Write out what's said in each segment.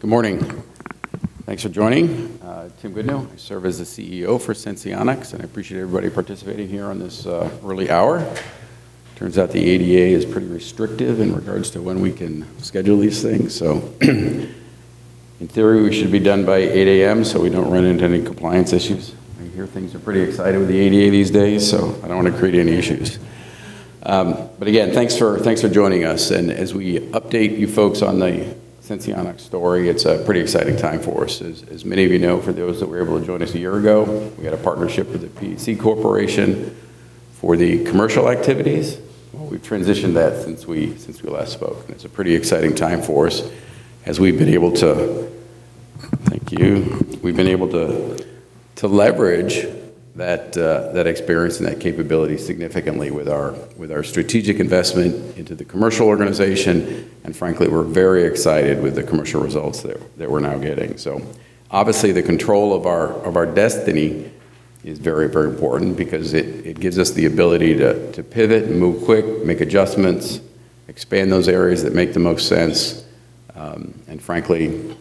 Good morning. Thanks for joining. Tim Goodnow. I serve as the CEO for Senseonics. I appreciate everybody participating here on this early hour. Turns out the ADA is pretty restrictive in regards to when we can schedule these things. In theory, we should be done by 8:00 A.M. so we don't run into any compliance issues. I hear things are pretty excited with the ADA these days. I don't want to create any issues. Again, thanks for joining us. As we update you folks on the Senseonics story, it's a pretty exciting time for us. As many of you know, for those that were able to join us a year ago, we had a partnership with the PHC Corporation for the commercial activities. Well, we've transitioned that since we last spoke, and it's a pretty exciting time for us as we've been able to- Thank you. We've been able to leverage that experience and that capability significantly with our strategic investment into the commercial organization. Frankly, we're very excited with the commercial results that we're now getting. Obviously, the control of our destiny is very important because it gives us the ability to pivot and move quickly, make adjustments, expand those areas that make the most sense, and frankly,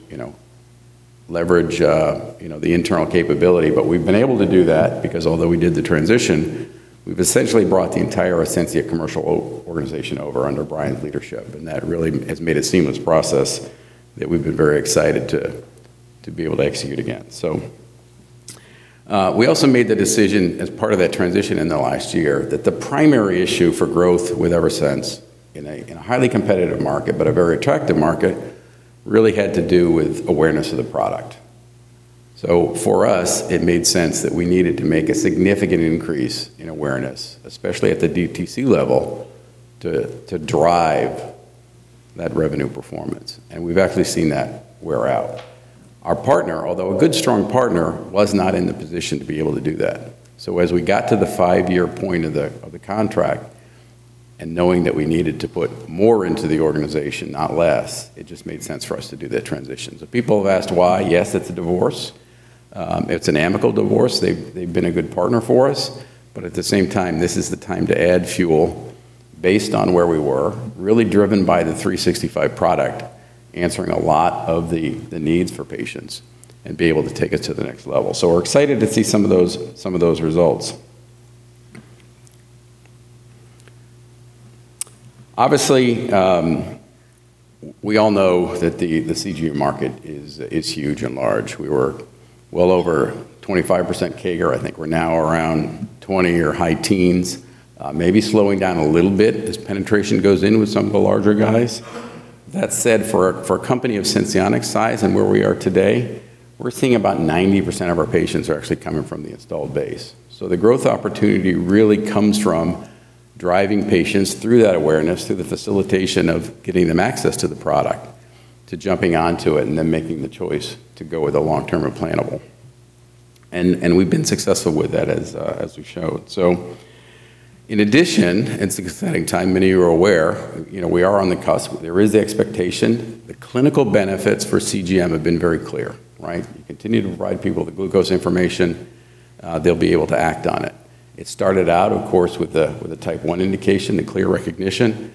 leverage the internal capability. We've been able to do that because although we did the transition, we've essentially brought the entire Ascensia commercial organization over under Brian's leadership, and that really has made a seamless process that we've been very excited to be able to execute again. We also made the decision as part of that transition in the last year that the primary issue for growth with Eversense in a highly competitive market, but a very attractive market, really had to do with awareness of the product. For us, it made sense that we needed to make a significant increase in awareness, especially at the DTC level, to drive that revenue performance. We've actually seen that wear out. Our partner, although a good, strong partner, was not in the position to be able to do that. As we got to the five-year point of the contract and knowing that we needed to put more into the organization, not less, it just made sense for us to do that transition. People have asked why. Yes, it's a divorce. It's an amicable divorce. They've been a good partner for us. At the same time, this is the time to add fuel based on where we were, really driven by the 365 product, answering a lot of the needs for patients and be able to take it to the next level. We're excited to see some of those results. Obviously, we all know that the CGM market is huge and large. We were well over 25% CAGR. I think we're now around 20% or high teens. Maybe slowing down a little bit as penetration goes in with some of the larger guys. That said, for a company of Senseonics' size and where we are today, we're seeing about 90% of our patients are actually coming from the installed base. The growth opportunity really comes from driving patients through that awareness, through the facilitation of getting them access to the product, to jumping onto it and then making the choice to go with a long-term implantable. We've been successful with that as we've showed. In addition, it's an exciting time. Many are aware. We are on the cusp. There is the expectation. The clinical benefits for CGM have been very clear, right? You continue to provide people with glucose information, they'll be able to act on it. It started out, of course, with the Type 1 indication, the clear recognition.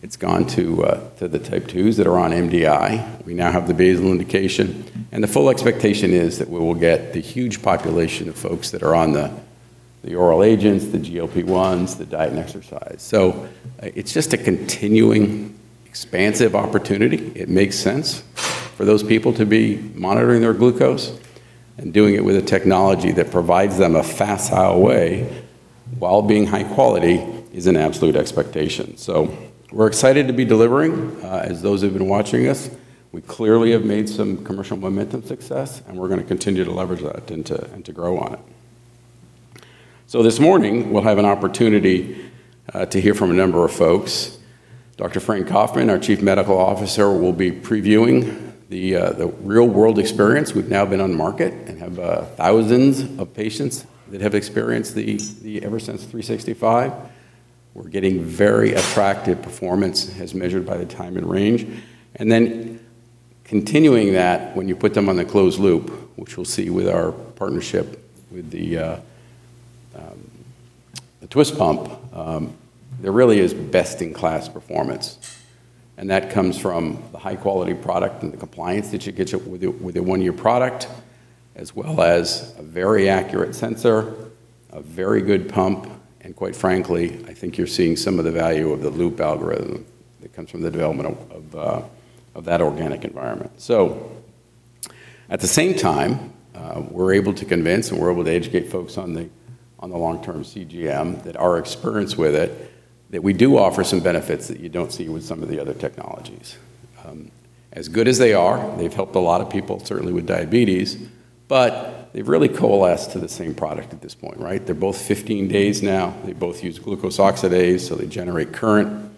It's gone to the Type 2s that are on MDI. We now have the basal indication. The full expectation is that we will get the huge population of folks that are on the oral agents, the GLP-1s, the diet and exercise. It's just a continuing, expansive opportunity. It makes sense for those people to be monitoring their glucose and doing it with a technology that provides them a facile way while being high quality is an absolute expectation. We're excited to be delivering. As those who've been watching us, we clearly have made some commercial momentum success, and we're going to continue to leverage that and to grow on it. This morning, we'll have an opportunity to hear from a number of folks. Dr. Francine Kaufman, our Chief Medical Officer, will be previewing the real-world experience. We've now been on the market and have thousands of patients that have experienced the Eversense 365. We're getting very attractive performance as measured by the time in range. Continuing that, when you put them on the closed loop, which we'll see with our partnership with the twiist pump, there really is best-in-class performance. That comes from the high-quality product and the compliance that you get with a one-year product, as well as a very accurate sensor, a very good pump, and quite frankly, I think you're seeing some of the value of the loop algorithm that comes from the development of that organic environment. At the same time, we're able to convince and we're able to educate folks on the long-term CGM that our experience with it, that we do offer some benefits that you don't see with some of the other technologies. As good as they are, they've helped a lot of people, certainly with diabetes, but they've really coalesced to the same product at this point, right? They're both 15 days now. They both use glucose oxidase. They generate current.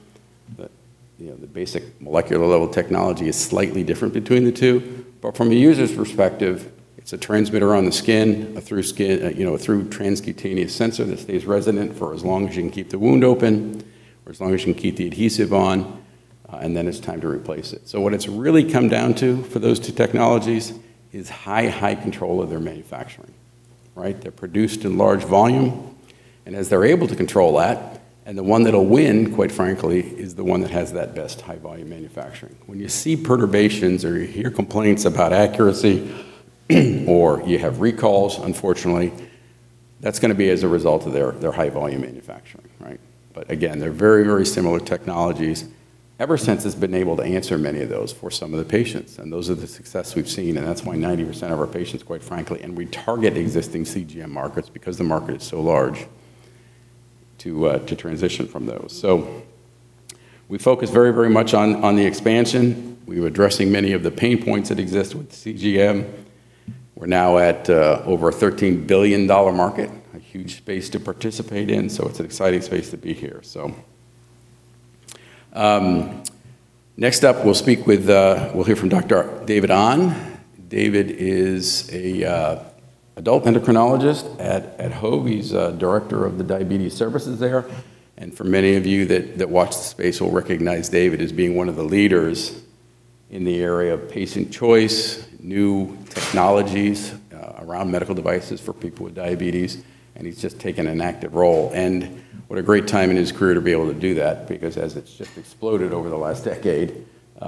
The basic molecular-level technology is slightly different between the two. From a user's perspective, it's a transmitter on the skin, a through transcutaneous sensor that stays resonant for as long as you can keep the wound open or as long as you can keep the adhesive on. It's time to replace it. What it's really come down to for those two technologies is high control of their manufacturing. They're produced in large volume, and as they're able to control that, the one that'll win, quite frankly, is the one that has that best high volume manufacturing. When you see perturbations or you hear complaints about accuracy, or you have recalls, unfortunately, that's going to be as a result of their high volume manufacturing. Again, they're very, very similar technologies. Eversense has been able to answer many of those for some of the patients. Those are the success we've seen, and that's why 90% of our patients, quite frankly. We target existing CGM markets because the market is so large to transition from those. We focus very, very much on the expansion. We're addressing many of the pain points that exist with CGM. We're now at over a $13 billion market, a huge space to participate in. It's an exciting space to be here. Next up, we'll hear from Dr. David Ahn. David is an adult endocrinologist at Hoag. He's Director of the Diabetes Services there. For many of you that watch the space will recognize David as being one of the leaders in the area of patient choice, new technologies around medical devices for people with diabetes, and he's just taken an active role. What a great time in his career to be able to do that, because as it's just exploded over the last decade,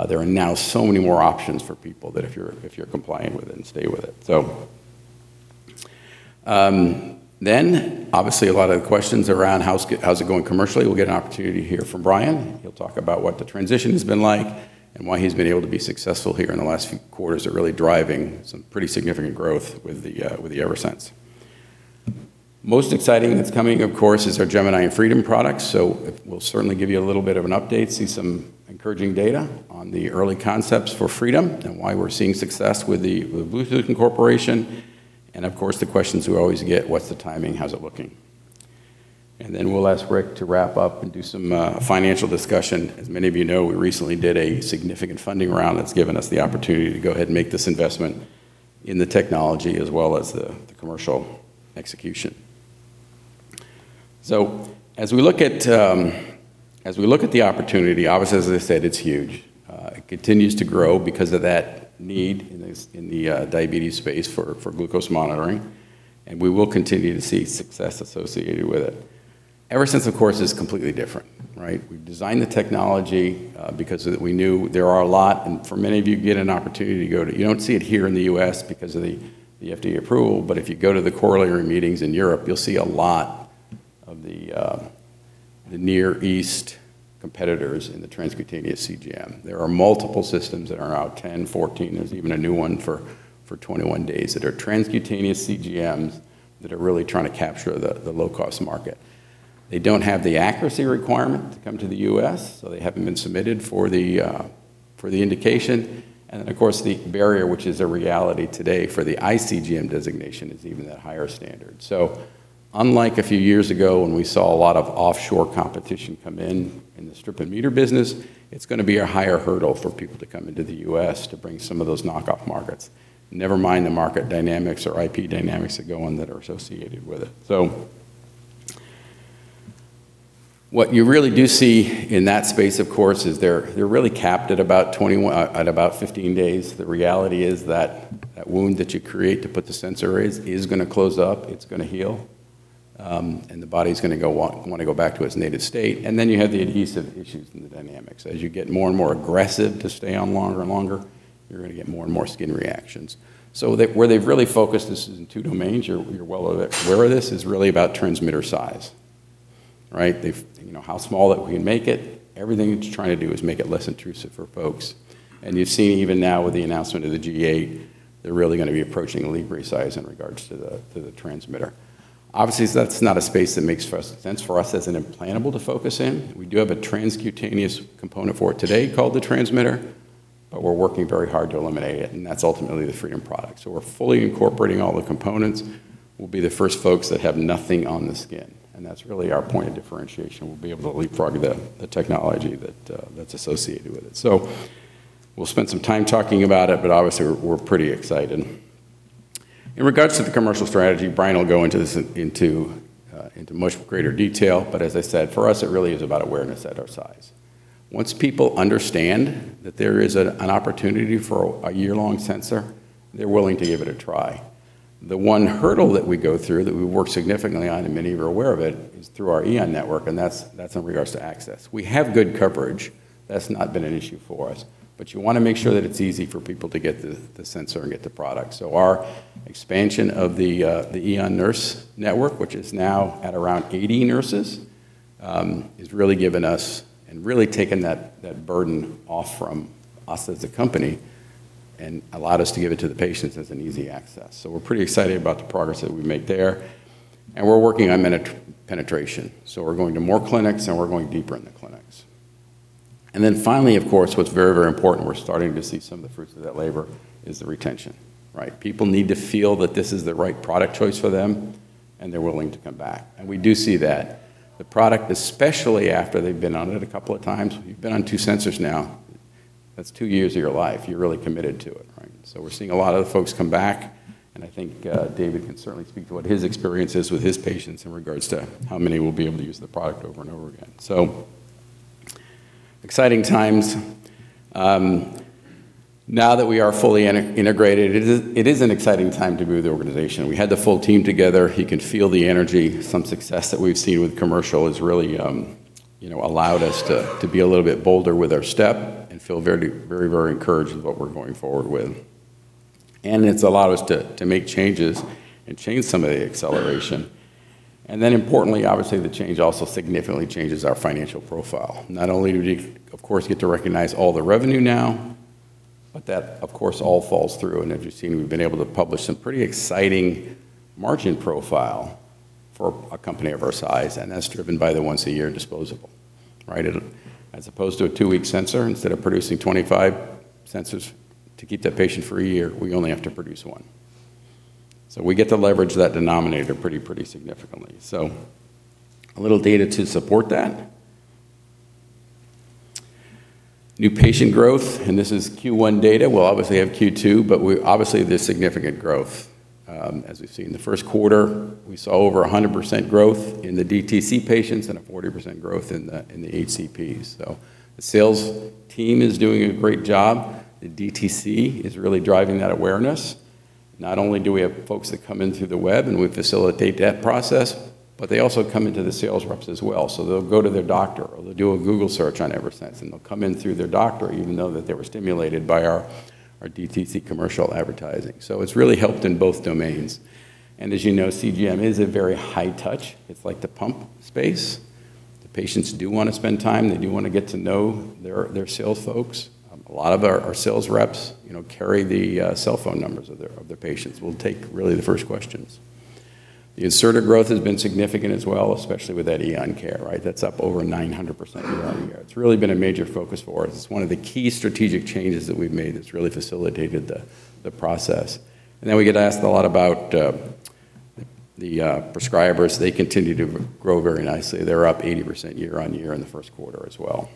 there are now so many more options for people that if you're compliant with it and stay with it. Obviously a lot of the questions around how's it going commercially. We'll get an opportunity to hear from Brian. He'll talk about what the transition has been like and why he's been able to be successful here in the last few quarters of really driving some pretty significant growth with the Eversense. Most exciting that's coming, of course, is our Gemini and Freedom products. We'll certainly give you a little bit of an update, see some encouraging data on the early concepts for Freedom and why we're seeing success with the Bluetooth incorporation, of course, the questions we always get, what's the timing? How's it looking? Then we'll ask Rick to wrap up and do some financial discussion. As many of you know, we recently did a significant funding round that's given us the opportunity to go ahead and make this investment in the technology as well as the commercial execution. As we look at the opportunity, obviously, as I said, it's huge. It continues to grow because of that need in the diabetes space for glucose monitoring, and we will continue to see success associated with it. Eversense, of course, is completely different. We've designed the technology because we knew there are a lot, and for many of you get an opportunity to go to- You don't see it here in the U.S. because of the FDA approval, but if you go to the corollary meetings in Europe, you'll see a lot of the Near East competitors in the transcutaneous CGM. There are multiple systems that are out, 10, 14. There's even a new one for 21 days that are transcutaneous CGMs that are really trying to capture the low-cost market. They don't have the accuracy requirement to come to the U.S., so they haven't been submitted for the indication. Of course, the barrier, which is a reality today for the iCGM designation, is even that higher standard. Unlike a few years ago when we saw a lot of offshore competition come in in the strip and meter business, it's going to be a higher hurdle for people to come into the U.S. to bring some of those knock-off markets. Never mind the market dynamics or IP dynamics that go on that are associated with it. What you really do see in that space, of course, is they're really capped at about 15 days. The reality is that that wound that you create to put the sensor is going to close up, it's going to heal, and the body's going to want to go back to its native state. Then you have the adhesive issues and the dynamics. As you get more and more aggressive to stay on longer and longer, you're going to get more and more skin reactions. Where they've really focused this is in two domains. You're well aware of this, is really about transmitter size. How small that we can make it. Everything you're trying to do is make it less intrusive for folks. You've seen even now with the announcement of the G8, they're really going to be approaching Libre size in regards to the transmitter. Obviously, that's not a space that makes sense for us as an implantable to focus in. We do have a transcutaneous component for it today called the transmitter, but we're working very hard to eliminate it, and that's ultimately the Freedom product. We're fully incorporating all the components. We'll be the first folks that have nothing on the skin, and that's really our point of differentiation. We'll be able to leapfrog the technology that's associated with it. We'll spend some time talking about it, but obviously, we're pretty excited. In regards to the commercial strategy, Brian will go into much greater detail. As I said, for us, it really is about awareness at our size. Once people understand that there is an opportunity for a year-long sensor, they're willing to give it a try. The one hurdle that we go through that we work significantly on, and many of you are aware of it, is through our ION network, and that's in regards to access. We have good coverage. That's not been an issue for us, but you want to make sure that it's easy for people to get the sensor and get the product. Our expansion of the ION nurse network, which is now at around 80 nurses, has really given us and really taken that burden off from us as a company and allowed us to give it to the patients as an easy access. We're pretty excited about the progress that we've made there, and we're working on penetration. We're going to more clinics, and we're going deeper in the clinics. Then finally, of course, what's very, very important, we're starting to see some of the fruits of that labor, is the retention. People need to feel that this is the right product choice for them, and they're willing to come back. We do see that. The product, especially after they've been on it a couple of times, if you've been on two sensors now, that's two years of your life. You're really committed to it. We're seeing a lot of the folks come back, and I think David can certainly speak to what his experience is with his patients in regards to how many will be able to use the product over and over again. Exciting times. Now that we are fully integrated, it is an exciting time to be with the organization. We had the full team together. You can feel the energy. Some success that we've seen with commercial has really allowed us to be a little bit bolder with our step and feel very encouraged with what we're going forward with. It's allowed us to make changes and change some of the acceleration. Importantly, obviously, the change also significantly changes our financial profile. Not only do we, of course, get to recognize all the revenue now, but that, of course, all falls through. As you've seen, we've been able to publish some pretty exciting margin profile for a company of our size, and that's driven by the once-a-year disposable. As opposed to a two-week sensor, instead of producing 25 sensors to keep that patient for a year, we only have to produce one. We get to leverage that denominator pretty significantly. A little data to support that. New patient growth, this is Q1 data. We'll obviously have Q2, obviously, there's significant growth. As we've seen in the first quarter, we saw over 100% growth in the DTC patients and a 40% growth in the HCPs. The sales team is doing a great job. The DTC is really driving that awareness. Not only do we have folks that come in through the web, and we facilitate that process, but they also come into the sales reps as well. They'll go to their doctor, or they'll do a Google search on Eversense, and they'll come in through their doctor even though they were stimulated by our DTC commercial advertising. It's really helped in both domains. As you know, CGM is a very high touch. It's like the pump space. The patients do want to spend time. They do want to get to know their sales folks. A lot of our sales reps carry the cell phone numbers of their patients, will take really the first questions. The inserter growth has been significant as well, especially with that Eon Care. That's up over 900% year-on-year. It's really been a major focus for us. It's one of the key strategic changes that we've made that's really facilitated the process. We get asked a lot about the prescribers. They continue to grow very nicely. They're up 80% year-on-year in the first quarter as well.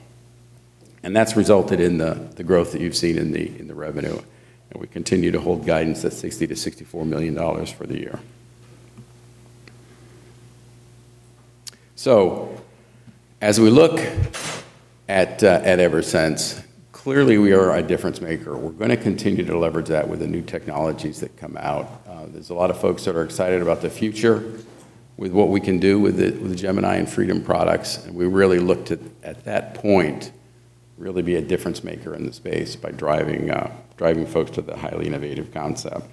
That's resulted in the growth that you've seen in the revenue, and we continue to hold guidance at $60 million-$64 million for the year. As we look at Eversense, clearly we are a difference maker. We're going to continue to leverage that with the new technologies that come out. There's a lot of folks that are excited about the future with what we can do with the Gemini and Freedom products, and we really look to, at that point, really be a difference maker in the space by driving folks to the highly innovative concept.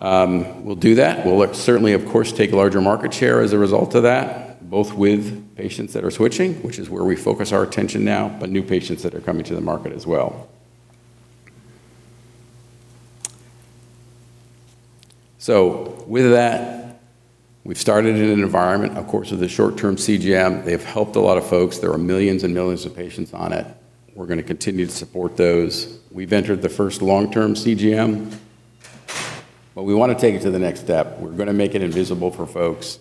We'll do that. We'll certainly, of course, take larger market share as a result of that, both with patients that are switching, which is where we focus our attention now, but new patients that are coming to the market as well. With that, we've started in an environment, of course, with the short-term CGM. They've helped a lot of folks. There are millions and millions of patients on it. We're going to continue to support those. We've entered the first long-term CGM, but we want to take it to the next step. We're going to make it invisible for folks.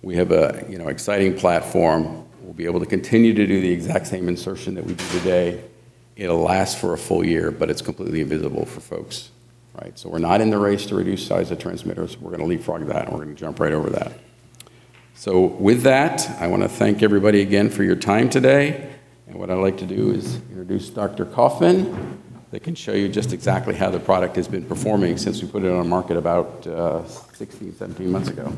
We have an exciting platform. We'll be able to continue to do the exact same insertion that we do today. It'll last for a full year, but it's completely invisible for folks. We're not in the race to reduce size of transmitters. We're going to leapfrog that, we're going to jump right over that. With that, I want to thank everybody again for your time today. What I'd like to do is introduce Dr. Kaufman, they could show you just exactly how the product has been performing since we put it on market about 16, 17 months ago.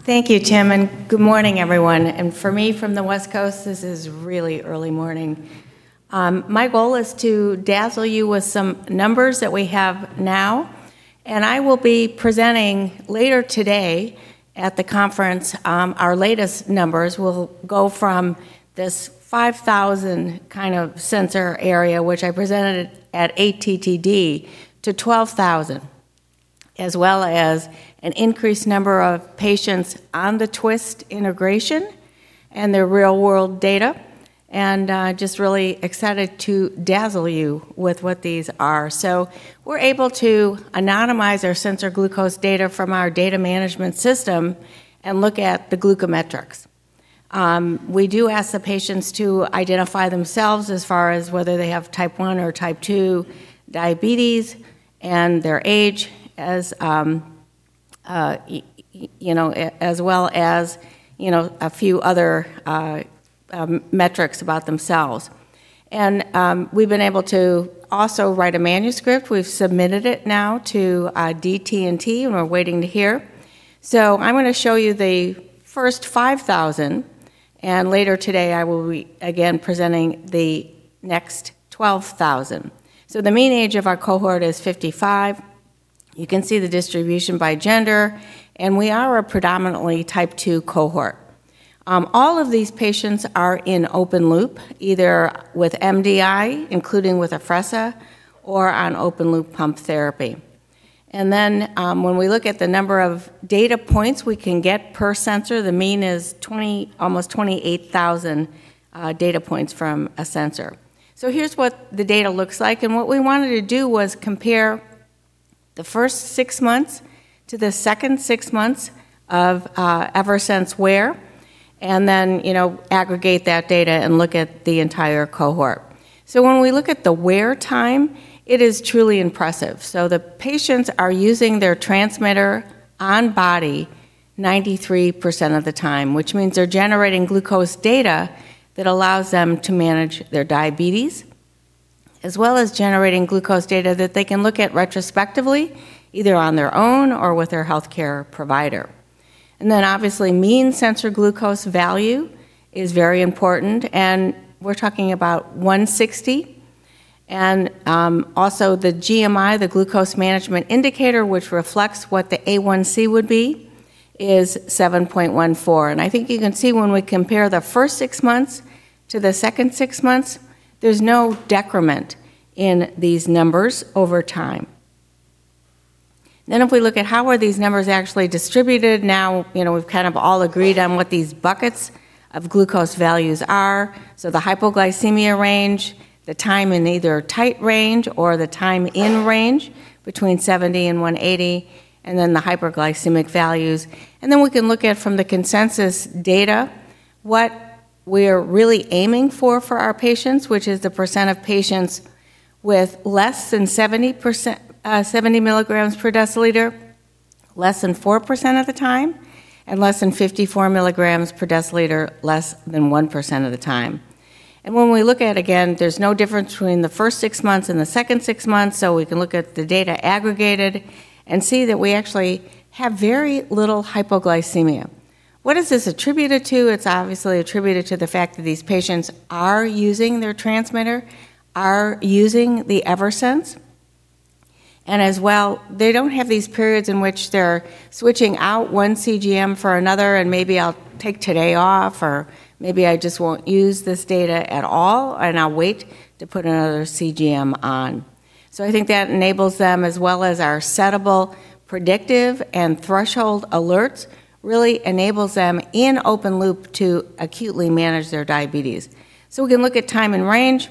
Thank you, Tim. Good morning, everyone. For me, from the West Coast, this is really early morning. My goal is to dazzle you with some numbers that we have now, and I will be presenting later today at the conference our latest numbers. We'll go from this 5,000 sensor area, which I presented at ATTD, to 12,000, as well as an increased number of patients on the twiist integration and their real-world data. Just really excited to dazzle you with what these are. We're able to anonymize our sensor glucose data from our data management system and look at the glucometrics. We do ask the patients to identify themselves as far as whether they have Type 1 or Type 2 diabetes and their age, as well as a few other metrics about themselves. We've been able to also write a manuscript. We've submitted it now to [DT&T], and we're waiting to hear. I'm going to show you the first 5,000, and later today, I will be again presenting the next 12,000. The mean age of our cohort is 55. You can see the distribution by gender, we are a predominantly Type 2 cohort. All of these patients are in open loop, either with MDI, including with Afrezza, or on open loop pump therapy. Then when we look at the number of data points we can get per sensor, the mean is almost 28,000 data points from a sensor. Here's what the data looks like. What we wanted to do was compare the first six months to the second six months of Eversense wear, and then aggregate that data and look at the entire cohort. When we look at the wear time, it is truly impressive. The patients are using their transmitter on-body 93% of the time, which means they're generating glucose data that allows them to manage their diabetes, as well as generating glucose data that they can look at retrospectively, either on their own or with their healthcare provider. Then obviously, mean sensor glucose value is very important, and we're talking about 160. Also the GMI, the glucose management indicator, which reflects what the A1C would be, is 7.14. I think you can see when we compare the first six months to the second six months, there's no decrement in these numbers over time. If we look at how are these numbers actually distributed now, we've kind of all agreed on what these buckets of glucose values are. The hypoglycemia range, the time in either tight range or the time in range between 70 and 180, and then the hypoglycemic values. Then we can look at from the consensus data, what we're really aiming for our patients, which is the percent of patients with less than 70 mg/dL, less than 4% of the time, and less than 54 mg/dL, less than 1% of the time. When we look at it again, there's no difference between the first six months and the second six months, so we can look at the data aggregated and see that we actually have very little hypoglycemia. What is this attributed to? It's obviously attributed to the fact that these patients are using their transmitter, are using the Eversense, and as well, they don't have these periods in which they're switching out one CGM for another and maybe I'll take today off, or maybe I just won't use this data at all and I'll wait to put another CGM on. I think that enables them as well as our settable predictive and threshold alerts, really enables them in open loop to acutely manage their diabetes. We can look at time and range,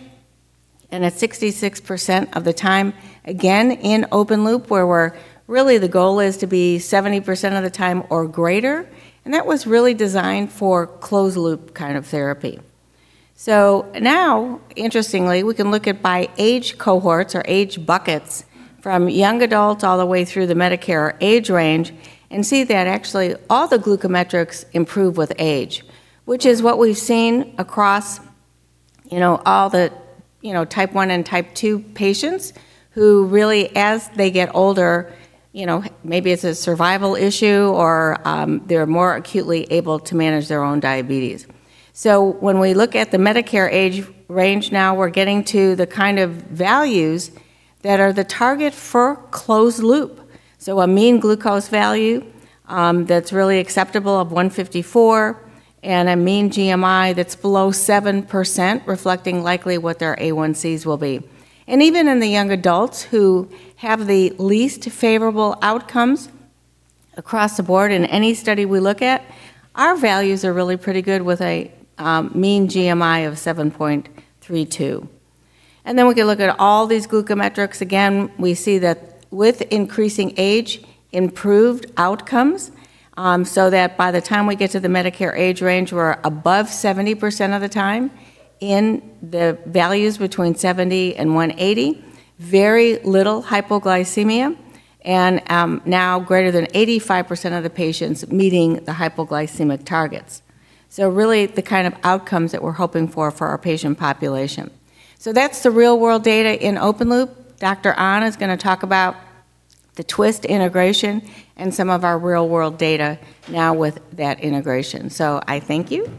and at 66% of the time, again, in open loop, where really the goal is to be 70% of the time or greater, and that was really designed for closed loop kind of therapy. Now, interestingly, we can look at by age cohorts or age buckets from young adults all the way through the Medicare age range and see that actually all the glucometrics improve with age, which is what we've seen across all the Type 1 and Type 2 patients who really, as they get older, maybe it's a survival issue or they're more acutely able to manage their own diabetes. When we look at the Medicare age range now, we're getting to the kind of values that are the target for closed loop. A mean glucose value that's really acceptable of 154 and a mean GMI that's below 7%, reflecting likely what their A1Cs will be. Even in the young adults who have the least favorable outcomes across the board in any study we look at, our values are really pretty good with a mean GMI of 7.32. We can look at all these glucometrics. Again, we see that with increasing age, improved outcomes, so that by the time we get to the Medicare age range, we're above 70% of the time in the values between 70 and 180, very little hypoglycemia, and now greater than 85% of the patients meeting the hypoglycemic targets. Really the kind of outcomes that we're hoping for our patient population. That's the real-world data in open loop. Dr. Ahn is going to talk about the twiist integration and some of our real-world data now with that integration. I thank you.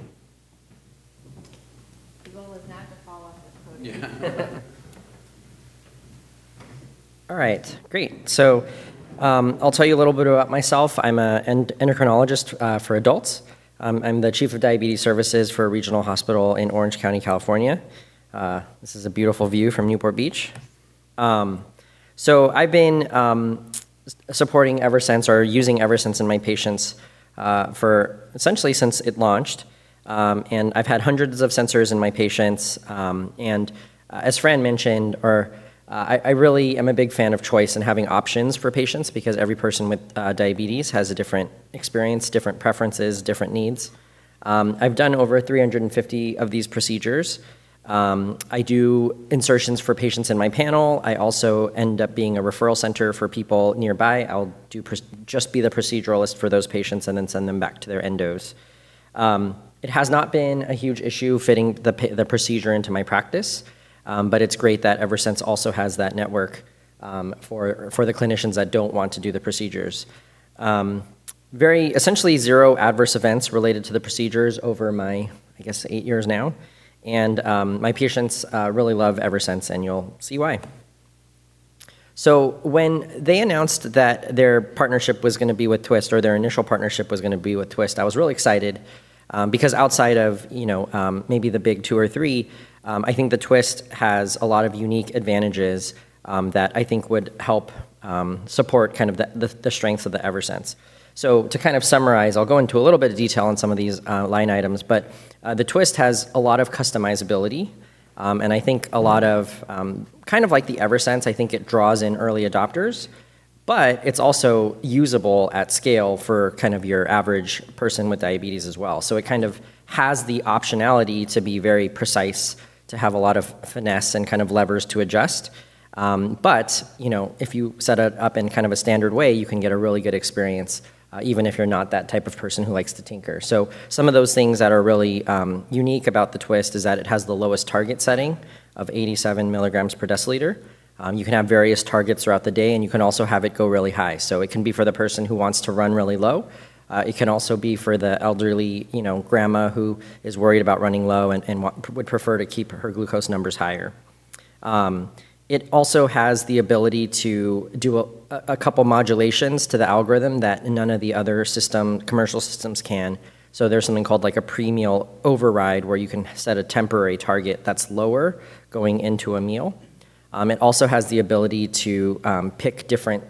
The goal was not to fall off the podium. Yeah. All right. Great. I'll tell you a little bit about myself. I'm an endocrinologist for adults. I'm the Chief of Diabetes Services for a regional hospital in Orange County, California. This is a beautiful view from Newport Beach. I've been supporting Eversense or using Eversense in my patients essentially since it launched. I've had hundreds of sensors in my patients. As Fran mentioned, I really am a big fan of choice and having options for patients because every person with diabetes has a different experience, different preferences, different needs. I've done over 350 of these procedures. I do insertions for patients in my panel. I also end up being a referral center for people nearby. I'll just be the proceduralist for those patients and then send them back to their endos. It has not been a huge issue fitting the procedure into my practice, but it's great that Eversense also has that network for the clinicians that don't want to do the procedures. Essentially zero adverse events related to the procedures over my, I guess, eight years now, and my patients really love Eversense, and you'll see why. When they announced that their partnership was going to be with twiist, or their initial partnership was going to be with twiist, I was really excited because outside of maybe the big two or three, I think the twiist has a lot of unique advantages that I think would help support kind of the strength of the Eversense. To kind of summarize, I'll go into a little bit of detail on some of these line items, but the twiist has a lot of customizability, and I think a lot of kind of like the Eversense, I think it draws in early adopters. It's also usable at scale for kind of your average person with diabetes as well. It kind of has the optionality to be very precise, to have a lot of finesse and kind of levers to adjust. If you set it up in kind of a standard way, you can get a really good experience, even if you're not that type of person who likes to tinker. Some of those things that are really unique about the twiist is that it has the lowest target setting of 87 mg/dL. You can have various targets throughout the day, and you can also have it go really high. It can be for the person who wants to run really low. It can also be for the elderly, grandma who is worried about running low and would prefer to keep her glucose numbers higher. It also has the ability to do a couple modulations to the algorithm that none of the other commercial systems can. There's something called like a pre-meal override, where you can set a temporary target that's lower going into a meal. It also has the ability to pick different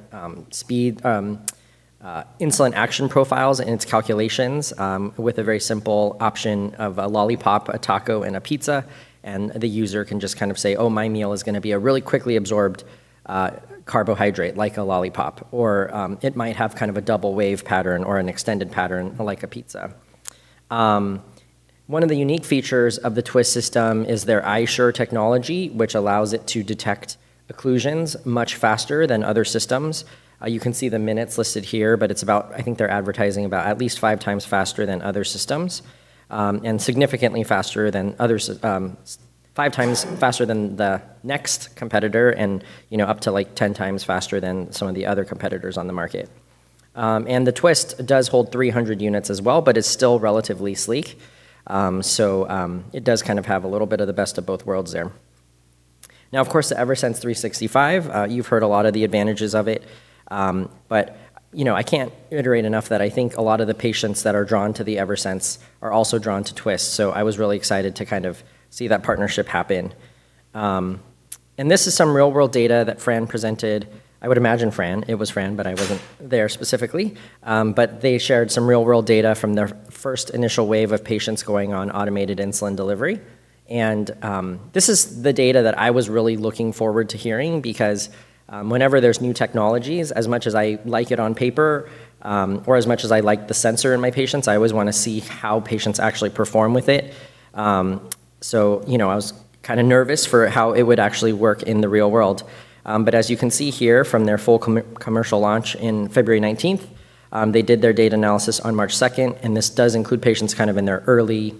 speed insulin action profiles in its calculations with a very simple option of a lollipop, a taco, and a pizza, and the user can just kind of say, "Oh, my meal is going to be a really quickly absorbed carbohydrate like a lollipop," or it might have kind of a double wave pattern or an extended pattern like a pizza. One of the unique features of the twiist system is their iiSure technology, which allows it to detect occlusions much faster than other systems. You can see the minutes listed here, but I think they're advertising about at least 5x faster than other systems, and 5x faster than the next competitor and up to 10x faster than some of the other competitors on the market. The twiist does hold 300 units as well, but is still relatively sleek. It does kind of have a little bit of the best of both worlds there. Of course, the Eversense 365, you've heard a lot of the advantages of it. I can't iterate enough that I think a lot of the patients that are drawn to the Eversense are also drawn to twiist, so I was really excited to kind of see that partnership happen. This is some real-world data that Fran presented. I would imagine Fran. It was Fran, but I wasn't there specifically. They shared some real-world data from their first initial wave of patients going on automated insulin delivery. This is the data that I was really looking forward to hearing because whenever there's new technologies, as much as I like it on paper or as much as I like the sensor in my patients, I always want to see how patients actually perform with it. I was kind of nervous for how it would actually work in the real world. As you can see here from their full commercial launch in February 19th, they did their data analysis on March 2nd, and this does include patients kind of in their early-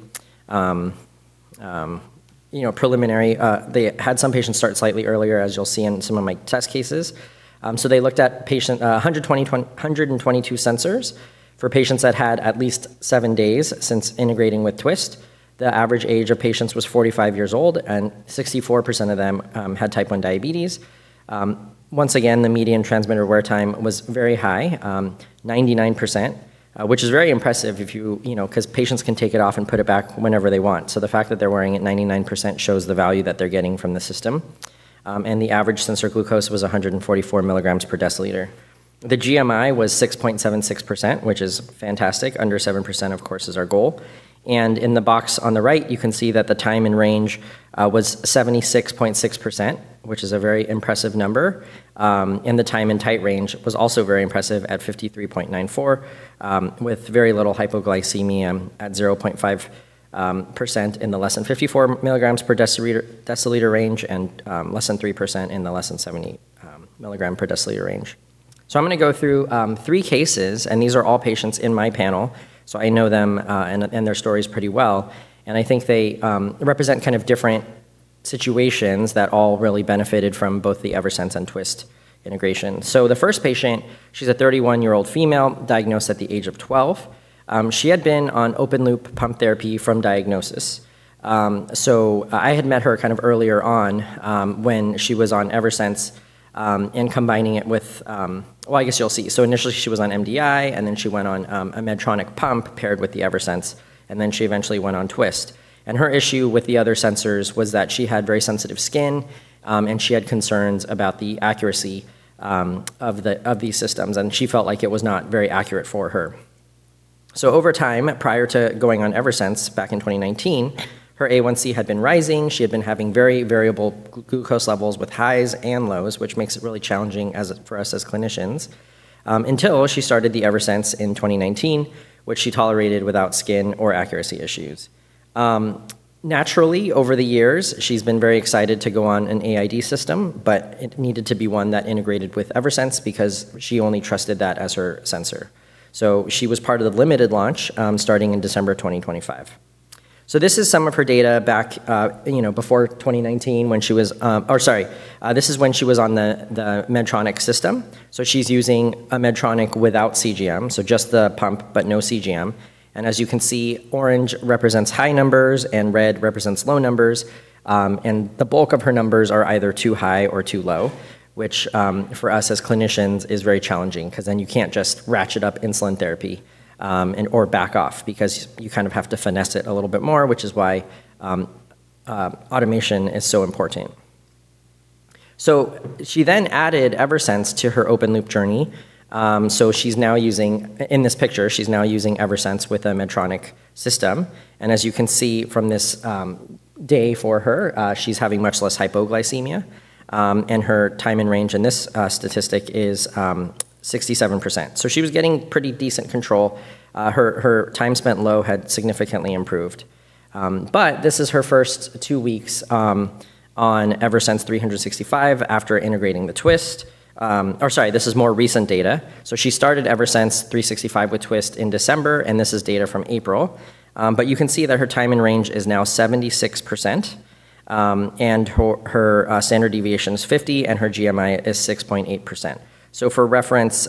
They had some patients start slightly earlier, as you'll see in some of my test cases. They looked at 122 sensors for patients that had at least seven days since integrating with twiist. The average age of patients was 45 years old, and 64% of them had Type 1 diabetes. Once again, the median transmitter wear time was very high, 99%, which is very impressive because patients can take it off and put it back whenever they want. The fact that they're wearing it 99% shows the value that they're getting from the system. The average sensor glucose was 144 mg/dL. The GMI was 6.76%, which is fantastic. Under 7%, of course, is our goal. In the box on the right, you can see that the time and range was 76.6%, which is a very impressive number. The time in tight range was also very impressive at 53.94%, with very little hypoglycemia at 0.5% in the less than 54 mg/dL range and less than 3% in the less than 70 mg/dL range. I'm going to go through three cases, and these are all patients in my panel, so I know them and their stories pretty well, and I think they represent kind of different situations that all really benefited from both the Eversense and twiist integration. The first patient, she's a 31-year-old female, diagnosed at the age of 12. She had been on open loop pump therapy from diagnosis. I had met her kind of earlier on when she was on Eversense. Initially, she was on MDI, and then she went on a Medtronic pump paired with the Eversense, and then she eventually went on twiist. Her issue with the other sensors was that she had very sensitive skin, and she had concerns about the accuracy of these systems, and she felt like it was not very accurate for her. Over time, prior to going on Eversense back in 2019, her A1C had been rising. She had been having very variable glucose levels with highs and lows, which makes it really challenging for us as clinicians. Until she started the Eversense in 2019, which she tolerated without skin or accuracy issues. Naturally, over the years, she's been very excited to go on an AID system, but it needed to be one that integrated with Eversense because she only trusted that as her sensor. She was part of the limited launch starting in December 2025. This is some of her data back before 2019, this is when she was on the Medtronic system. She's using a Medtronic without CGM, just the pump, but no CGM. As you can see, orange represents high numbers and red represents low numbers. The bulk of her numbers are either too high or too low, which for us as clinicians is very challenging because then you can't just ratchet up insulin therapy or back off because you kind of have to finesse it a little bit more, which is why automation is so important. She then added Eversense to her open loop journey. In this picture, she's now using Eversense with a Medtronic system. As you can see from this day for her, she's having much less hypoglycemia, and her time in range in this statistic is 67%. She was getting pretty decent control. Her time spent low had significantly improved. This is her first two weeks on Eversense 365 after integrating the twiist. Sorry, this is more recent data. She started Eversense 365 with twiist in December, and this is data from April. You can see that her time in range is now 76%, and her standard deviation is 50, and her GMI is 6.8%. For reference,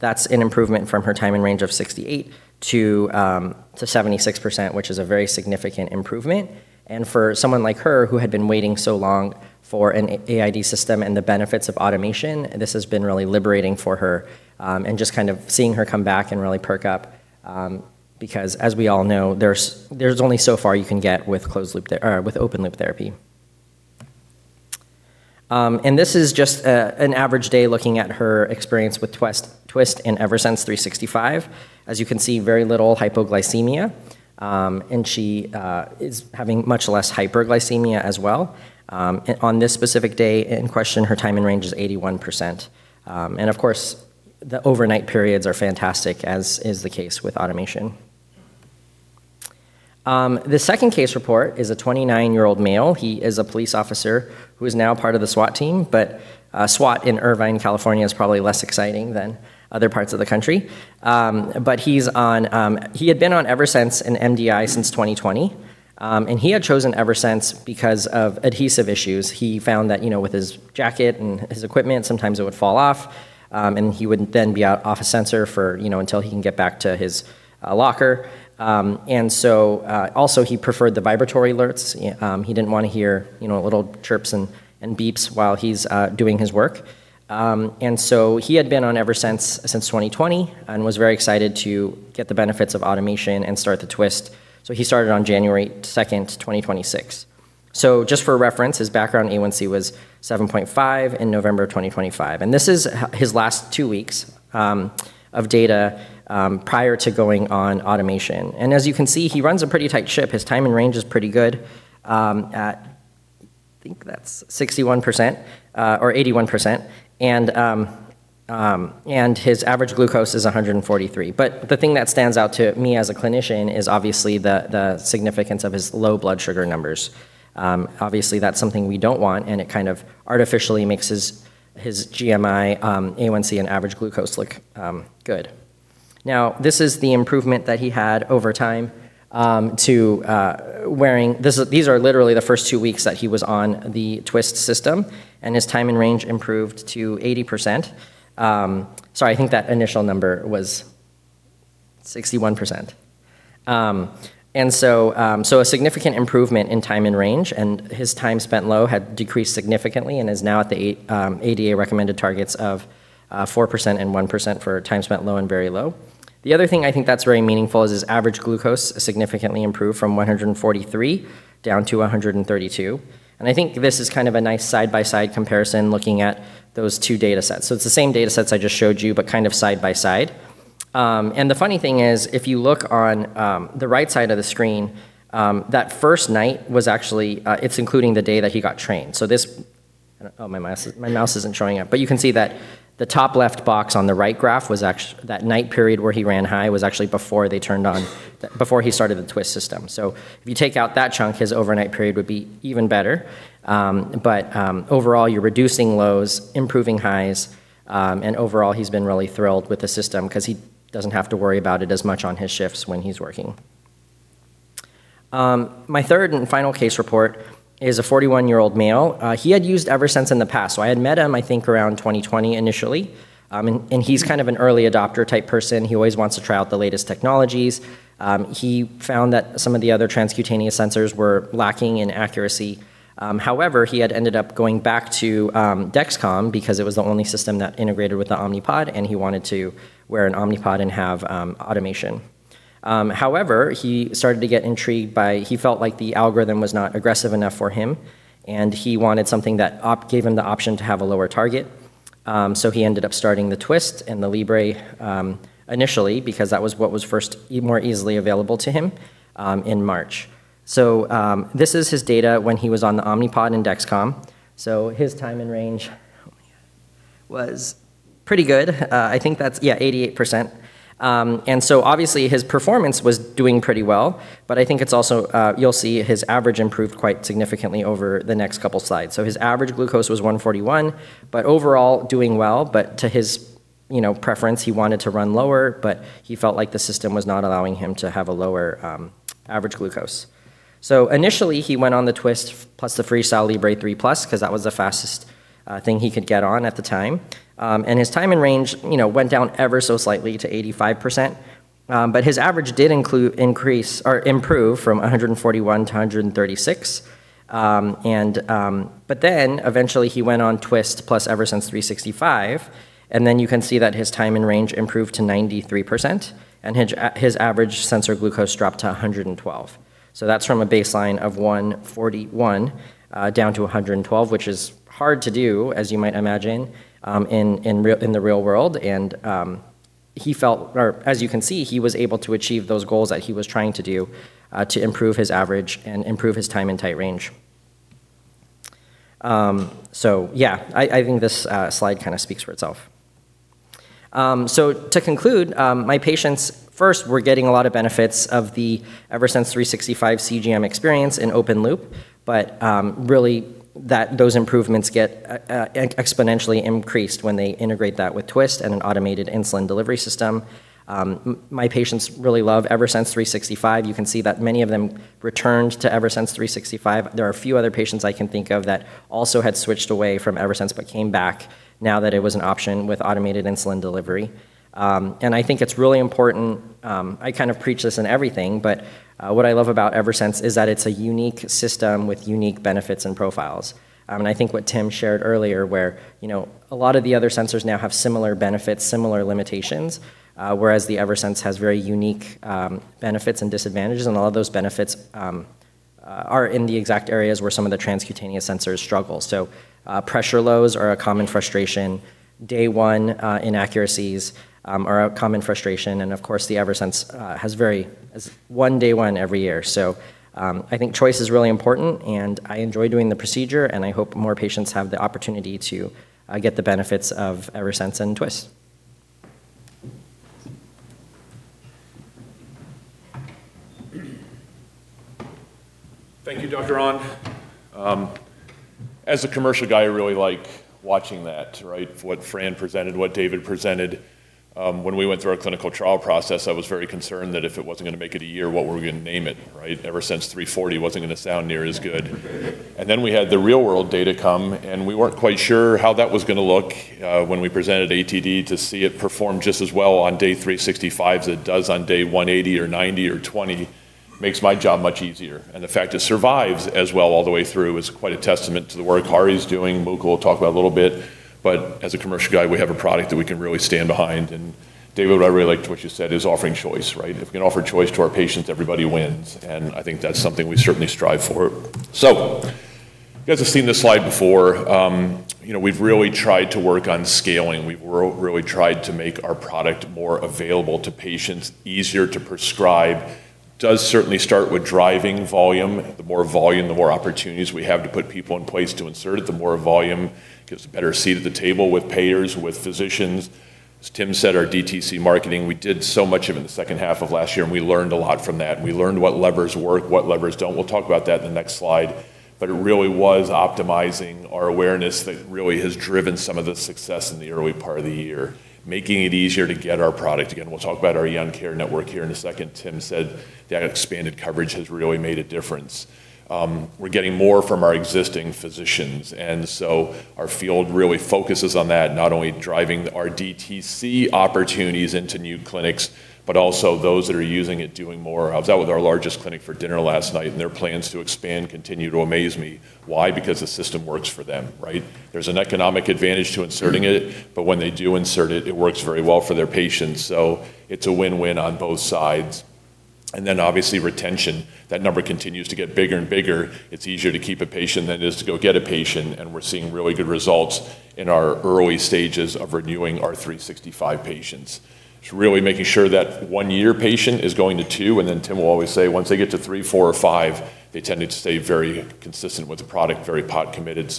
that's an improvement from her time in range of 68%-76%, which is a very significant improvement. For someone like her who had been waiting so long for an AID system and the benefits of automation, this has been really liberating for her, and just kind of seeing her come back and really perk up, because as we all know, there's only so far you can get with open-loop therapy. This is just an average day looking at her experience with twiist and Eversense 365. As you can see, very little hypoglycemia, and she is having much less hyperglycemia as well. On this specific day in question, her time in range is 81%. Of course, the overnight periods are fantastic, as is the case with automation. The second case report is a 29-year-old male. He is a police officer who is now part of the SWAT team, but SWAT in Irvine, California, is probably less exciting than other parts of the country. He had been on Eversense and MDI since 2020, and he had chosen Eversense because of adhesive issues. He found that with his jacket and his equipment, sometimes it would fall off, and he would then be off a sensor until he can get back to his locker. Also, he preferred the vibratory alerts. He didn't want to hear little chirps and beeps while he's doing his work. He had been on Eversense since 2020 and was very excited to get the benefits of automation and start the twiist. He started on January 2nd, 2026. Just for reference, his background A1C was 7.5 in November of 2025, and this is his last two weeks of data prior to going on automation. As you can see, he runs a pretty tight ship. His time in range is pretty good at, I think that's 61% or 81%, and his average glucose is 143. The thing that stands out to me as a clinician is obviously the significance of his low blood sugar numbers. Obviously, that's something we don't want, and it kind of artificially makes his GMI, A1C, and average glucose look good. This is the improvement that he had over time. These are literally the first two weeks that he was on the twiist system. His time in range improved to 80%. Sorry, I think that initial number was 61%. A significant improvement in time in range, and his time spent low had decreased significantly and is now at the ADA recommended targets of 4% and 1% for time spent low and very low. The other thing I think that's very meaningful is his average glucose significantly improved from 143 down to 132, and I think this is kind of a nice side-by-side comparison looking at those two data sets. It's the same data sets I just showed you, but kind of side by side. The funny thing is, if you look on the right side of the screen, that first night was actually, it's including the day that he got trained. My mouse isn't showing up, but you can see that the top left box on the right graph, that night period where he ran high was actually before he started the twiist system. If you take out that chunk, his overnight period would be even better. Overall, you're reducing lows, improving highs, and overall, he's been really thrilled with the system because he doesn't have to worry about it as much on his shifts when he's working. My third and final case report is a 41-year-old male. He had used Eversense in the past, I had met him, I think, around 2020 initially. He's kind of an early adopter type person. He always wants to try out the latest technologies. He found that some of the other transcutaneous sensors were lacking in accuracy. He had ended up going back to Dexcom because it was the only system that integrated with the Omnipod, and he wanted to wear an Omnipod and have automation. He started to get intrigued- He felt like the algorithm was not aggressive enough for him, and he wanted something that gave him the option to have a lower target. He ended up starting the twiist and the Libre initially, because that was what was first more easily available to him in March. This is his data when he was on the Omnipod and Dexcom. His time in range was pretty good. I think that's, yeah, 88%. Obviously, his performance was doing pretty well, but I think it's also, you'll see his average improved quite significantly over the next couple slides. His average glucose was 141, but overall doing well, but to his preference, he wanted to run lower, but he felt like the system was not allowing him to have a lower average glucose. Initially, he went on the twiist plus the FreeStyle Libre 3 Plus because that was the fastest thing he could get on at the time. His time in range went down ever so slightly to 85%, but his average did improve from 141 to 136. Eventually he went on twiist plus Eversense 365, and then you can see that his time in range improved to 93%, and his average sensor glucose dropped to 112. That's from a baseline of 141 down to 112, which is hard to do, as you might imagine, in the real world. As you can see, he was able to achieve those goals that he was trying to do to improve his average and improve his time in tight range. Yeah, I think this slide kind of speaks for itself. To conclude, my patients first were getting a lot of benefits of the Eversense 365 CGM experience in open loop, but really those improvements get exponentially increased when they integrate that with twiist and an automated insulin delivery system. My patients really love Eversense 365. You can see that many of them returned to Eversense 365. There are a few other patients I can think of that also had switched away from Eversense, but came back now that it was an option with automated insulin delivery. I think it's really important, I kind of preach this in everything, but what I love about Eversense is that it's a unique system with unique benefits and profiles. I think what Tim shared earlier, where a lot of the other sensors now have similar benefits, similar limitations, whereas the Eversense has very unique benefits and disadvantages, and a lot of those benefits are in the exact areas where some of the transcutaneous sensors struggle. Pressure lows are a common frustration, day one inaccuracies are a common frustration, and of course, the Eversense has one day one every year. I think choice is really important, and I enjoy doing the procedure, and I hope more patients have the opportunity to get the benefits of Eversense and twiist. Thank you, Dr. Ahn. As a commercial guy, I really like watching that, right? What Fran presented, what David presented. When we went through our clinical trial process, I was very concerned that if it wasn't going to make it one year, what were we going to name it, right? Eversense 340 wasn't going to sound near as good. We had the real-world data come, and we weren't quite sure how that was going to look when we presented ATTD to see it perform just as well on day 365 as it does on day 180 or 90 or 20, makes my job much easier. The fact it survives as well all the way through is quite a testament to the work Hari's doing, Mukul will talk about it a little bit, but as a commercial guy, we have a product that we can really stand behind. David, what I really liked what you said is offering choice, right? If we can offer choice to our patients, everybody wins, and I think that's something we certainly strive for. You guys have seen this slide before. We've really tried to work on scaling. We've really tried to make our product more available to patients, easier to prescribe. Does certainly start with driving volume. The more volume, the more opportunities we have to put people in place to insert it. The more volume gives a better seat at the table with payers, with physicians. As Tim said, our DTC marketing, we did so much of it in the second half of last year. We learned a lot from that. We learned what levers work, what levers don't. We'll talk about that in the next slide. It really was optimizing our awareness that really has driven some of the success in the early part of the year, making it easier to get our product. Again, we'll talk about our Eon Care network here in a second. Tim said that expanded coverage has really made a difference. We're getting more from our existing physicians. Our field really focuses on that, not only driving our DTC opportunities into new clinics, but also those that are using it, doing more. I was out with our largest clinic for dinner last night. Their plans to expand continue to amaze me. Why? Because the system works for them, right? There's an economic advantage to inserting it, but when they do insert it works very well for their patients. It's a win-win on both sides. Obviously retention. That number continues to get bigger and bigger. It's easier to keep a patient than it is to go get a patient, and we're seeing really good results in our early stages of renewing our 365 patients. It's really making sure that one-year patient is going to two. Tim will always say, once they get to three, four, or five, they tended to stay very consistent with the product, very pod committed.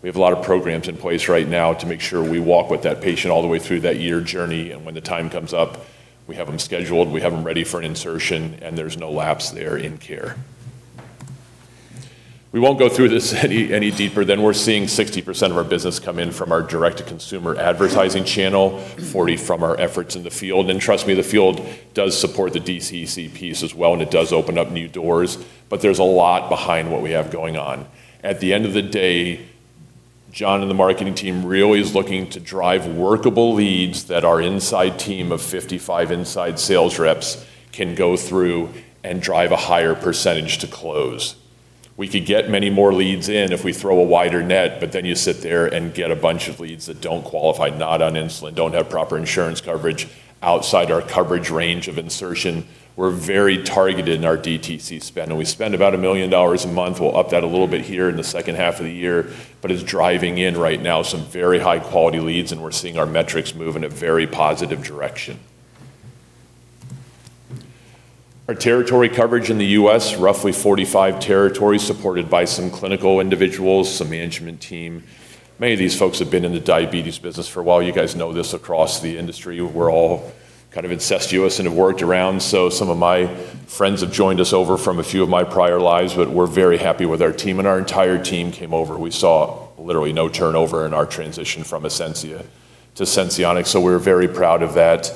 We have a lot of programs in place right now to make sure we walk with that patient all the way through that year journey, and when the time comes up, we have them scheduled, we have them ready for an insertion, and there's no lapse there in care. We won't go through this any deeper than we're seeing 60% of our business come in from our direct-to-consumer advertising channel, 40% from our efforts in the field. Trust me, the field does support the DTC piece as well, and it does open up new doors, but there's a lot behind what we have going on. At the end of the day, John and the marketing team really is looking to drive workable leads that our inside team of 55 inside sales reps can go through and drive a higher percentage to close. We could get many more leads in if we throw a wider net, then you sit there and get a bunch of leads that don't qualify, not on insulin, don't have proper insurance coverage, outside our coverage range of insertion. We're very targeted in our DTC spend, and we spend about $1 million a month. We'll up that a little bit here in the second half of the year, but it's driving in right now some very high-quality leads, and we're seeing our metrics move in a very positive direction. Our territory coverage in the U.S., roughly 45 territories supported by some clinical individuals, some management team. Many of these folks have been in the diabetes business for a while. You guys know this across the industry. We're all kind of incestuous and have worked around. Some of my friends have joined us over from a few of my prior lives, but we're very happy with our team, and our entire team came over. We saw literally no turnover in our transition from Ascensia to Senseonics, so we're very proud of that.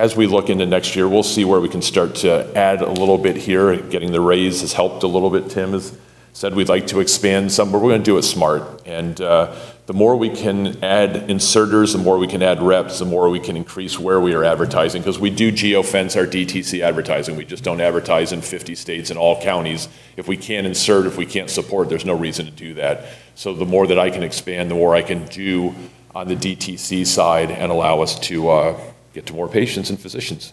As we look into next year, we'll see where we can start to add a little bit here. Getting the raise has helped a little bit. Tim has said we'd like to expand some. We're going to do it smart. The more we can add inserters, the more we can add reps, the more we can increase where we are advertising, because we do geo-fence our DTC advertising. We just don't advertise in 50 states in all counties. If we can't insert, if we can't support, there's no reason to do that. The more that I can expand, the more I can do on the DTC side and allow us to get to more patients and physicians.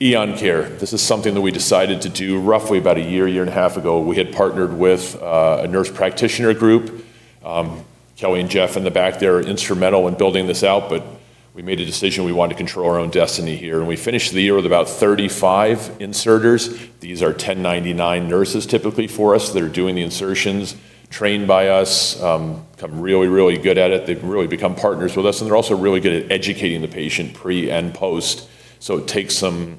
Eon Care. This is something that we decided to do roughly about a year and a half ago. We had partnered with a nurse practitioner group. Kelly and Jeff in the back there are instrumental in building this out, but we made a decision we wanted to control our own destiny here. We finished the year with about 35 inserters. These are 1099 nurses typically for us that are doing the insertions, trained by us, become really, really good at it. They've really become partners with us, and they're also really good at educating the patient pre and post. It takes some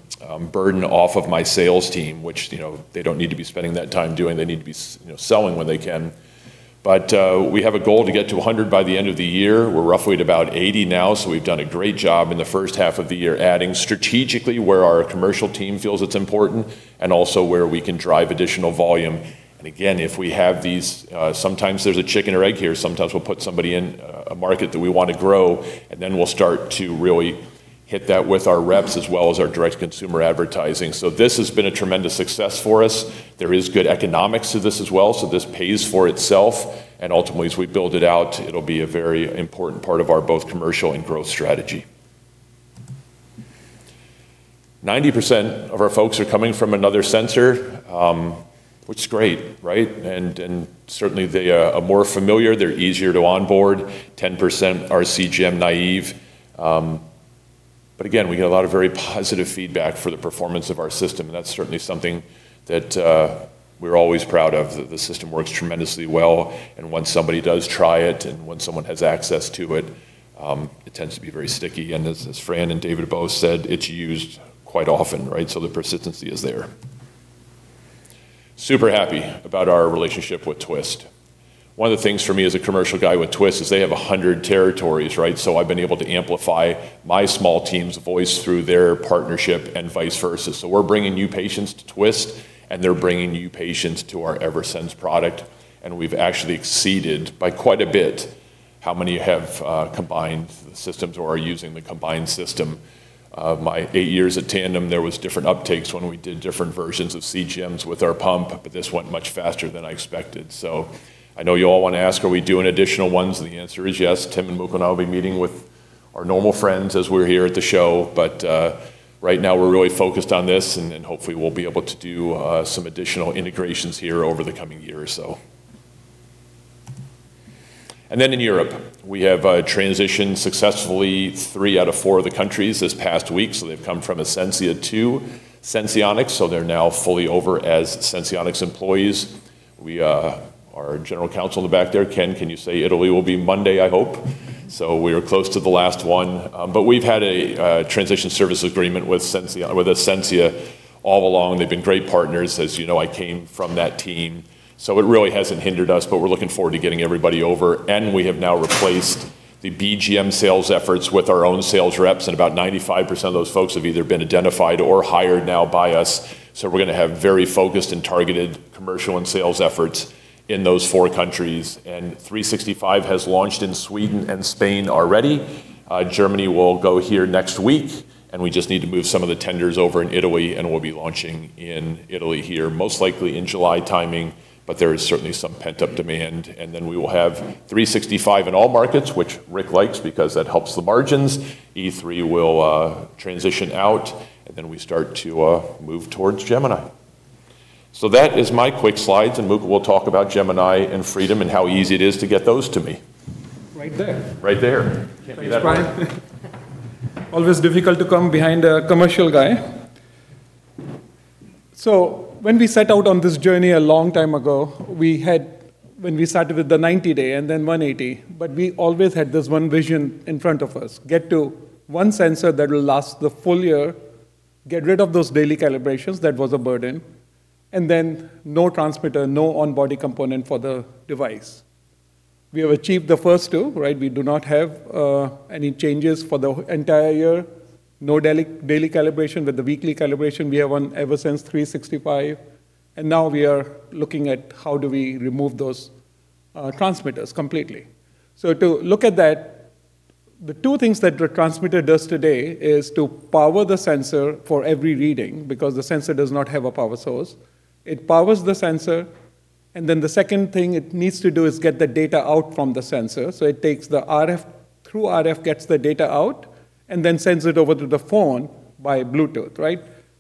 burden off of my sales team, which they don't need to be spending that time doing. They need to be selling when they can. We have a goal to get to 100 by the end of the year. We're roughly at about 80 now, so we've done a great job in the first half of the year, adding strategically where our commercial team feels it's important and also where we can drive additional volume. Again, sometimes there's a chicken or egg here. Sometimes we'll put somebody in a market that we want to grow, and then we'll start to really hit that with our reps as well as our direct to consumer advertising. This has been a tremendous success for us. There is good economics to this as well. This pays for itself. Ultimately, as we build it out, it'll be a very important part of our both commercial and growth strategy. 90% of our folks are coming from another sensor, which is great. Right? Certainly they are more familiar. They're easier to onboard. 10% are CGM naive. Again, we get a lot of very positive feedback for the performance of our system, and that's certainly something that we're always proud of, that the system works tremendously well. Once somebody does try it, and when someone has access to it tends to be very sticky. As Fran and David both said, it's used quite often, right? The persistency is there. Super happy about our relationship with twiist. One of the things for me as a commercial guy with twiist is they have 100 territories. I've been able to amplify my small team's voice through their partnership and vice versa. We're bringing new patients to twiist, and they're bringing new patients to our Eversense product. We've actually exceeded, by quite a bit, how many have combined systems or are using the combined system. My eight years at Tandem, there was different uptakes when we did different versions of CGMs with our pump, but this went much faster than I expected. I know you all want to ask, are we doing additional ones? The answer is yes. Tim and Mukul and I will be meeting with our normal friends as we're here at the show. Right now, we're really focused on this, and then hopefully, we'll be able to do some additional integrations here over the coming year or so. In Europe, we have transitioned successfully three out of four of the countries this past week. They've come from Ascensia to Senseonics. They're now fully over as Senseonics employees. Our general counsel in the back there, Ken, can you say Italy will be Monday, I hope? We are close to the last one. We've had a transition service agreement with Ascensia all along. They've been great partners. As you know, I came from that team, so it really hasn't hindered us, but we're looking forward to getting everybody over. We have now replaced the BGM sales efforts with our own sales reps, and about 95% of those folks have either been identified or hired now by us. We're going to have very focused and targeted commercial and sales efforts in those four countries. 365 has launched in Sweden and Spain already. Germany will go here next week, and we just need to move some of the tenders over in Italy, and we'll be launching in Italy here, most likely in July timing, but there is certainly some pent-up demand. We will have 365 in all markets, which Rick likes because that helps the margins. E3 will transition out, and then we start to move towards Gemini. That is my quick slides, and Mukul will talk about Gemini and Freedom and how easy it is to get those to me. Right there. Right there. Thanks, Brian. Always difficult to come behind a commercial guy. When we set out on this journey a long time ago, when we started with the 90-day and then 180, but we always had this one vision in front of us, get to one sensor that will last the full year, get rid of those daily calibrations, that was a burden, and then no transmitter, no on-body component for the device. We have achieved the first two. We do not have any changes for the entire year. No daily calibration. With the weekly calibration, we have on Eversense 365. Now we are looking at how do we remove those transmitters completely. To look at that, the two things that the transmitter does today is to power the sensor for every reading because the sensor does not have a power source. It powers the sensor. The second thing it needs to do is get the data out from the sensor. It takes the RF through RF, gets the data out, sends it over to the phone by Bluetooth.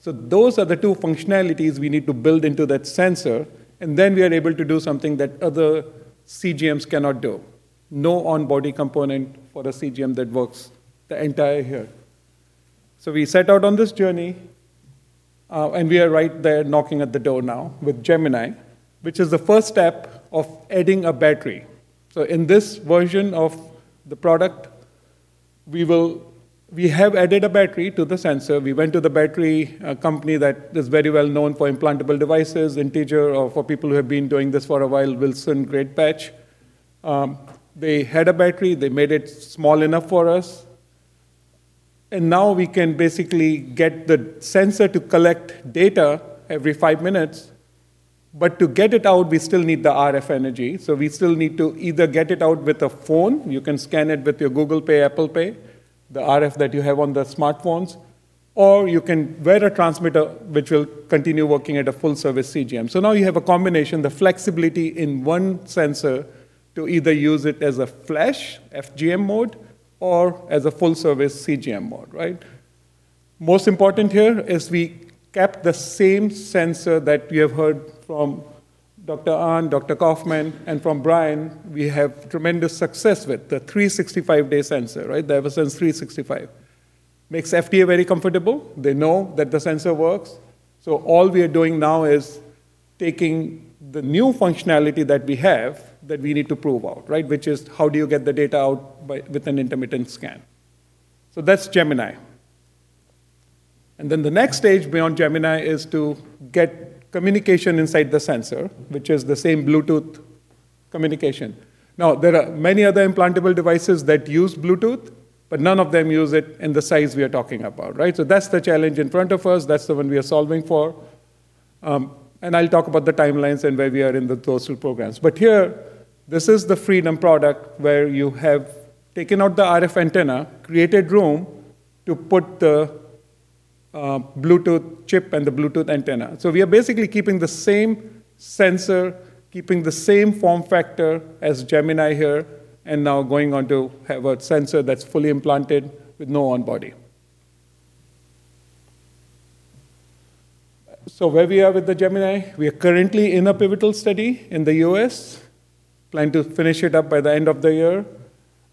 Those are the two functionalities we need to build into that sensor. We are able to do something that other CGMs cannot do. No on-body component for a CGM that works the entire year. We set out on this journey, and we are right there knocking at the door now with Gemini, which is the first step of adding a battery. In this version of the product, we have added a battery to the sensor. We went to the battery company that is very well known for implantable devices, Integer, or for people who have been doing this for a while, Wilson Greatbatch. They had a battery. They made it small enough for us. Now we can basically get the sensor to collect data every five minutes. To get it out, we still need the RF energy. We still need to either get it out with a phone. You can scan it with your Google Pay, Apple Pay, the RF that you have on the smartphones, or you can wear a transmitter, which will continue working at a full-service CGM. Now you have a combination, the flexibility in one sensor to either use it as a flash, FGM mode, or as a full-service CGM mode. Most important here is we kept the same sensor that we have heard from Dr. Ahn, Dr. Kaufman, and from Brian. We have tremendous success with the 365-day sensor. The Eversense 365 makes FDA very comfortable. They know that the sensor works. All we are doing now is taking the new functionality that we have that we need to prove out, which is how do you get the data out with an intermittent scan? That's Gemini. Then the next stage beyond Gemini is to get communication inside the sensor, which is the same Bluetooth communication. There are many other implantable devices that use Bluetooth, but none of them use it in the size we are talking about. That's the challenge in front of us. That's the one we are solving for. I'll talk about the timelines and where we are in those two programs. Here, this is the Freedom product where you have taken out the RF antenna, created room to put the Bluetooth chip and the Bluetooth antenna. We are basically keeping the same sensor, keeping the same form factor as Gemini here, and now going on to have a sensor that is fully implanted with no on-body. Where we are with the Gemini, we are currently in a pivotal study in the U.S., plan to finish it up by the end of the year.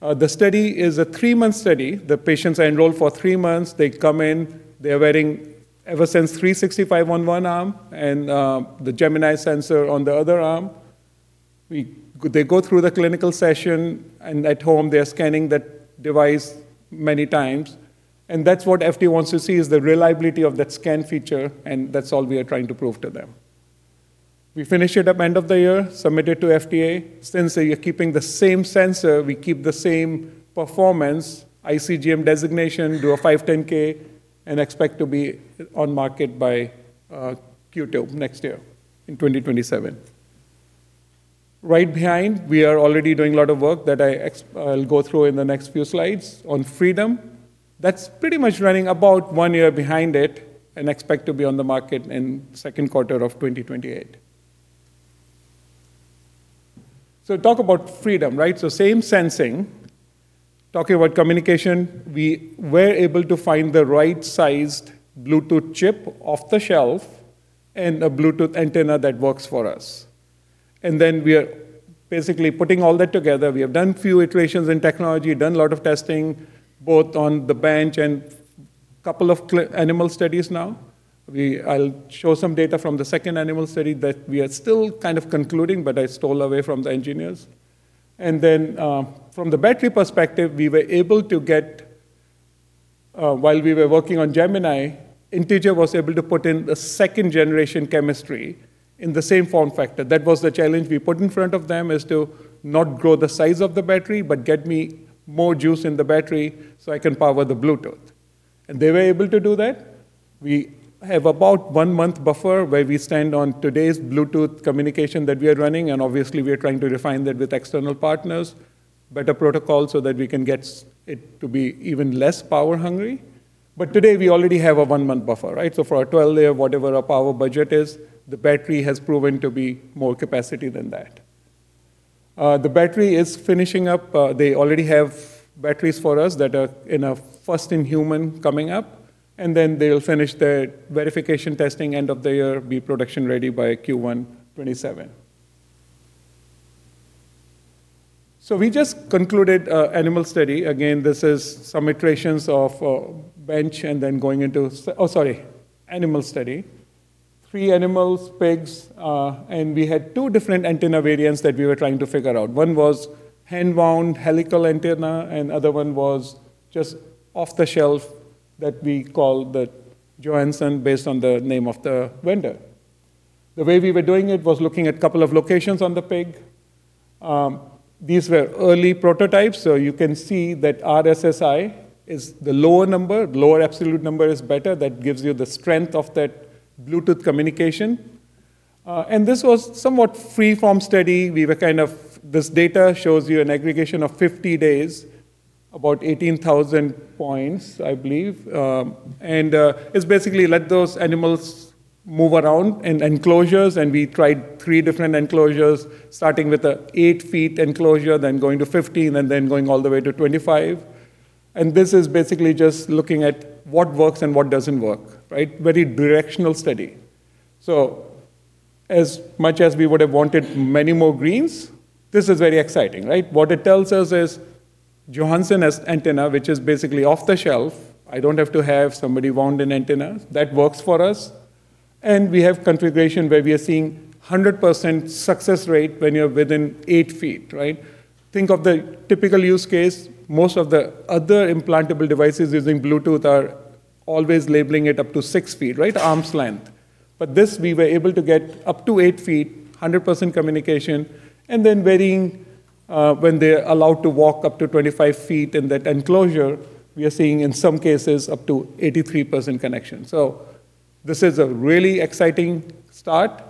The study is a three-month study. The patients are enrolled for three months. They come in, they are wearing Eversense 365 on one arm and the Gemini sensor on the other arm. They go through the clinical session, and at home, they are scanning that device many times. That is what FDA wants to see, is the reliability of that scan feature, and that is all we are trying to prove to them. We finish it up end of the year, submit it to FDA. Since we are keeping the same sensor, we keep the same performance, iCGM designation, do a 510(k), and expect to be on market by Q2 2027. Right behind, we are already doing a lot of work that I'll go through in the next few slides on Freedom. That's pretty much running about one year behind it and expect to be on the market in the second quarter of 2028. Talk about Freedom. Same sensing. Talking about communication, we were able to find the right-sized Bluetooth chip off-the-shelf and a Bluetooth antenna that works for us. We are basically putting all that together. We have done a few iterations in technology, done a lot of testing, both on the bench and a couple of animal studies now. I'll show some data from the second animal study that we are still kind of concluding, but I stole away from the engineers. From the battery perspective, while we were working on Gemini, Integer was able to put in a second-generation chemistry in the same form factor. That was the challenge we put in front of them, is to not grow the size of the battery, but get me more juice in the battery so I can power the Bluetooth. They were able to do that. We have about one month buffer where we stand on today's Bluetooth communication that we are running, obviously, we are trying to refine that with external partners, better protocol, so that we can get it to be even less power hungry. Today, we already have a one-month buffer. For our 12-layer, whatever our power budget is, the battery has proven to be more capacity than that. The battery is finishing up. They already have batteries for us that are in a first-in-human coming up, and then they'll finish the verification testing end of the year, be production ready by Q1 2027. We just concluded an animal study. Again, this is some iterations of bench and then going into. Oh, sorry. Animal study. Three animals, pigs, and we had two different antenna variants that we were trying to figure out. One was hand-wound helical antenna, and other one was just off-the-shelf that we call the Johanson, based on the name of the vendor. The way we were doing it was looking at a couple of locations on the pig. These were early prototypes, you can see that RSSI is the lower number. Lower absolute number is better. That gives you the strength of that Bluetooth communication. This was a somewhat free-form study. This data shows you an aggregation of 50 days, about 18,000 points, I believe. It's basically let those animals move around in enclosures, and we tried three different enclosures, starting with an 8-feet enclosure, then going to 15, and then going all the way to 25. This is basically just looking at what works and what doesn't work. Very directional study. As much as we would have wanted many more greens, this is very exciting. What it tells us is Johanson antenna, which is basically off-the-shelf, I don't have to have somebody wound an antenna. That works for us. We have configuration where we are seeing 100% success rate when you're within 8 ft. Think of the typical use case. Most of the other implantable devices using Bluetooth are always labeling it up to 6 ft, arm's length. This, we were able to get up to 8 ft, 100% communication, and then varying, when they're allowed to walk up to 25 ft in that enclosure, we are seeing, in some cases, up to 83% connection. This is a really exciting start.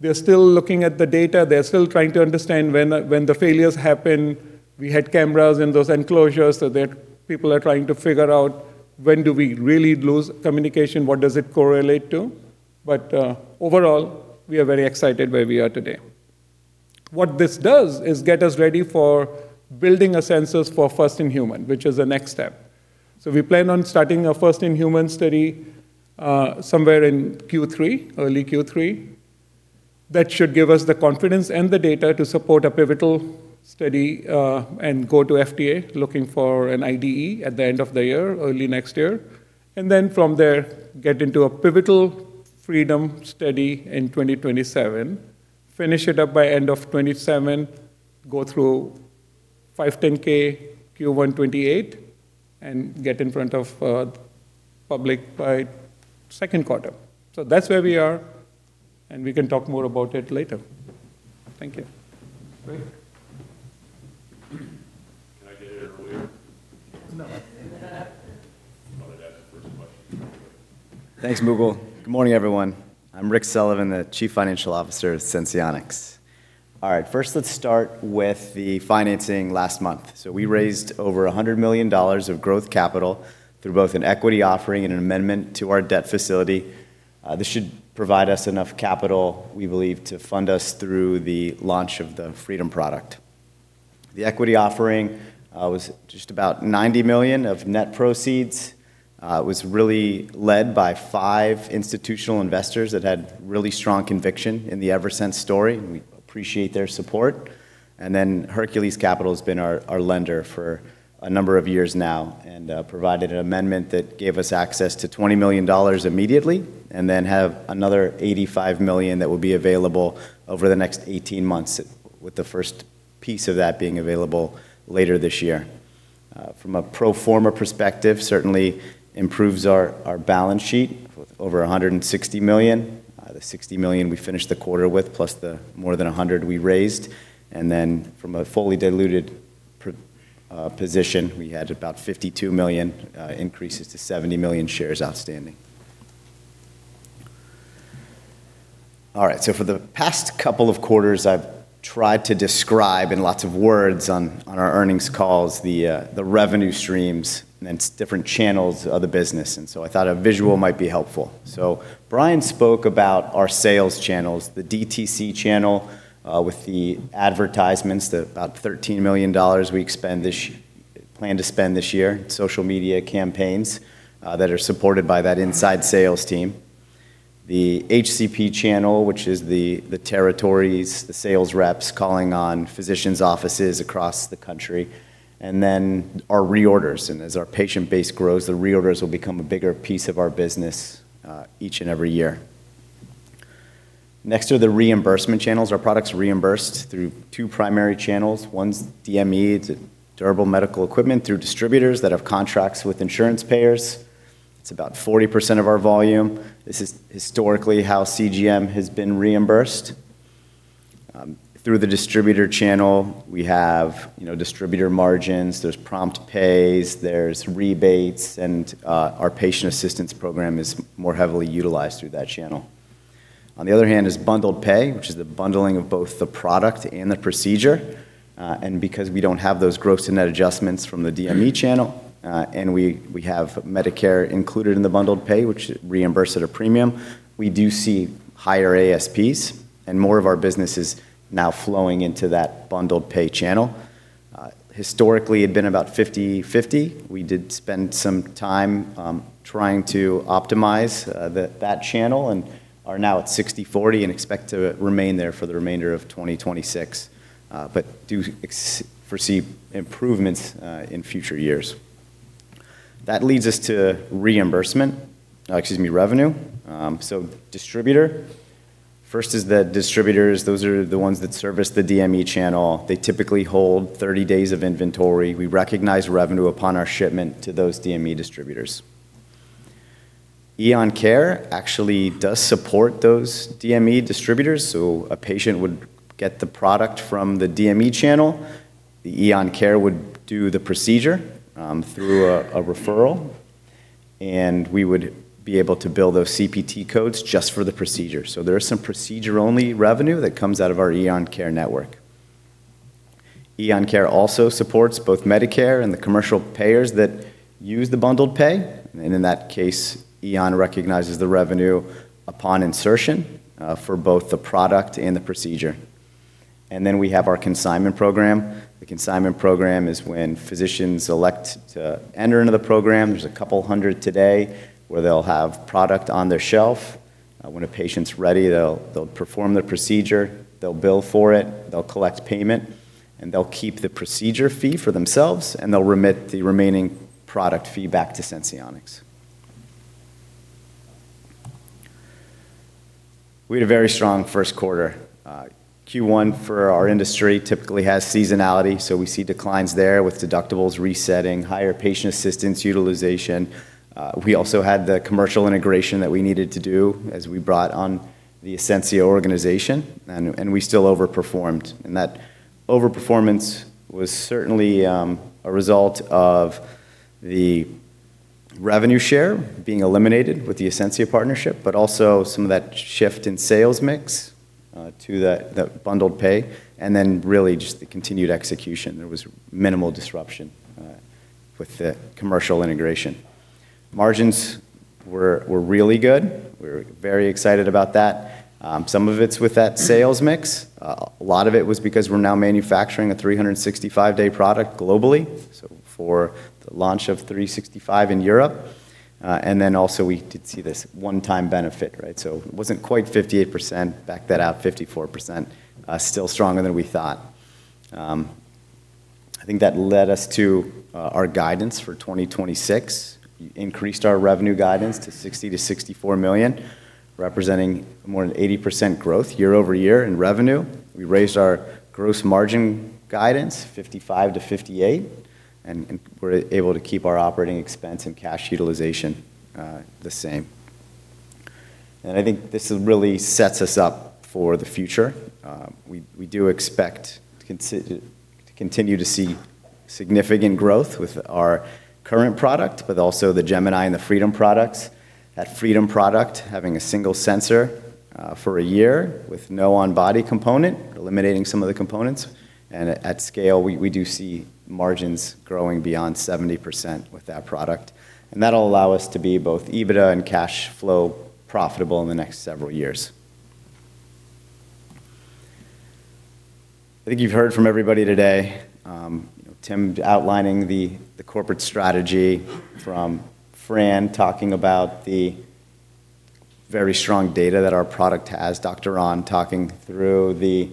We are still looking at the data. They are still trying to understand when the failures happen. We had cameras in those enclosures, so people are trying to figure out when do we really lose communication? What does it correlate to? Overall, we are very excited where we are today. What this does is get us ready for building a sensor for first-in-human, which is the next step. We plan on starting a first-in-human study somewhere in early Q3. That should give us the confidence and the data to support a pivotal study, and go to FDA looking for an IDE at the end of the year, early next year. From there, get into a pivotal Freedom study in 2027, finish it up by end of 2027, go through 510(k) Q1 2028, and get in front of public by second quarter. That's where we are, and we can talk more about it later. Thank you. Rick? Thanks, Mukul. Good morning, everyone. I'm Rick Sullivan, the Chief Financial Officer at Senseonics. All right. Let's start with the financing last month. We raised over $100 million of growth capital through both an equity offering and an amendment to our debt facility. This should provide us enough capital, we believe, to fund us through the launch of the Freedom product. The equity offering was just about $90 million of net proceeds. It was really led by five institutional investors that had really strong conviction in the Eversense story. We appreciate their support. Hercules Capital's been our lender for a number of years now and provided an amendment that gave us access to $20 million immediately, and then have another $85 million that will be available over the next 18 months, with the first piece of that being available later this year. From a pro forma perspective, certainly improves our balance sheet with over $160 million. The $60 million we finished the quarter with, plus the more than $100 million we raised. Then from a fully diluted position, we had about 52 million increases to 70 million shares outstanding. All right. For the past couple of quarters, I've tried to describe in lots of words on our earnings calls, the revenue streams and different channels of the business. I thought a visual might be helpful. Brian spoke about our sales channels, the DTC channel, with the advertisements, the about $13 million we plan to spend this year, social media campaigns that are supported by that inside sales team. The HCP channel, which is the territories, the sales reps calling on physicians' offices across the country. Then our reorders. As our patient base grows, the reorders will become a bigger piece of our business each and every year. Next are the reimbursement channels. Our product's reimbursed through two primary channels. One's DME. It's durable medical equipment through distributors that have contracts with insurance payers. It's about 40% of our volume. This is historically how CGM has been reimbursed. Through the distributor channel, we have distributor margins, there's prompt pays, there's rebates, and our patient assistance program is more heavily utilized through that channel. On the other hand, is bundled pay, which is the bundling of both the product and the procedure. Because we don't have those gross to net adjustments from the DME channel, and we have Medicare included in the bundled pay, which reimburse at a premium, we do see higher ASPs and more of our business is now flowing into that bundled pay channel. Historically, it'd been about 50/50. We did spend some time trying to optimize that channel and are now at 60/40 and expect to remain there for the remainder of 2026, but do foresee improvements in future years. That leads us to revenue. Distributor. First is the distributors. Those are the ones that service the DME channel. They typically hold 30 days of inventory. We recognize revenue upon our shipment to those DME distributors. Eon Care actually does support those DME distributors. A patient would get the product from the DME channel. The Eon Care would do the procedure through a referral, and we would be able to bill those CPT codes just for the procedure. There is some procedure-only revenue that comes out of our Eon Care network. Eon Care also supports both Medicare and the commercial payers that use the bundled pay. In that case, Eon recognizes the revenue upon insertion for both the product and the procedure. We have our consignment program. The consignment program is when physicians elect to enter into the program. There's a couple hundred today, where they'll have product on their shelf. When a patient's ready, they'll perform the procedure, they'll bill for it, they'll collect payment, and they'll keep the procedure fee for themselves, and they'll remit the remaining product fee back to Senseonics. We had a very strong first quarter. Q1 for our industry typically has seasonality, we see declines there with deductibles resetting, higher patient assistance utilization. We also had the commercial integration that we needed to do as we brought on the Ascensia organization, we still overperformed. That overperformance was certainly a result of the revenue share being eliminated with the Ascensia partnership, but also some of that shift in sales mix to that bundled pay. Really just the continued execution. There was minimal disruption with the commercial integration. Margins were really good. We're very excited about that. Some of it's with that sales mix. A lot of it was because we're now manufacturing a 365-day product globally, for the launch of 365 in Europe. Also, we did see this one-time benefit. It wasn't quite 58%, back that out 54%, still stronger than we thought. I think that led us to our guidance for 2026. We increased our revenue guidance to $60 million-$64 million, representing more than 80% growth year-over-year in revenue. We raised our gross margin guidance 55%-58%. We're able to keep our operating expense and cash utilization the same. I think this really sets us up for the future. We do expect to continue to see significant growth with our current product, but also the Gemini and the Freedom products. That Freedom product, having a single sensor for a year with no on-body component, eliminating some of the components, and at scale, we do see margins growing beyond 70% with that product. That'll allow us to be both EBITDA and cash flow profitable in the next several years. I think you've heard from everybody today. Tim outlining the corporate strategy, from Fran talking about the very strong data that our product has, Dr. Ahn talking through the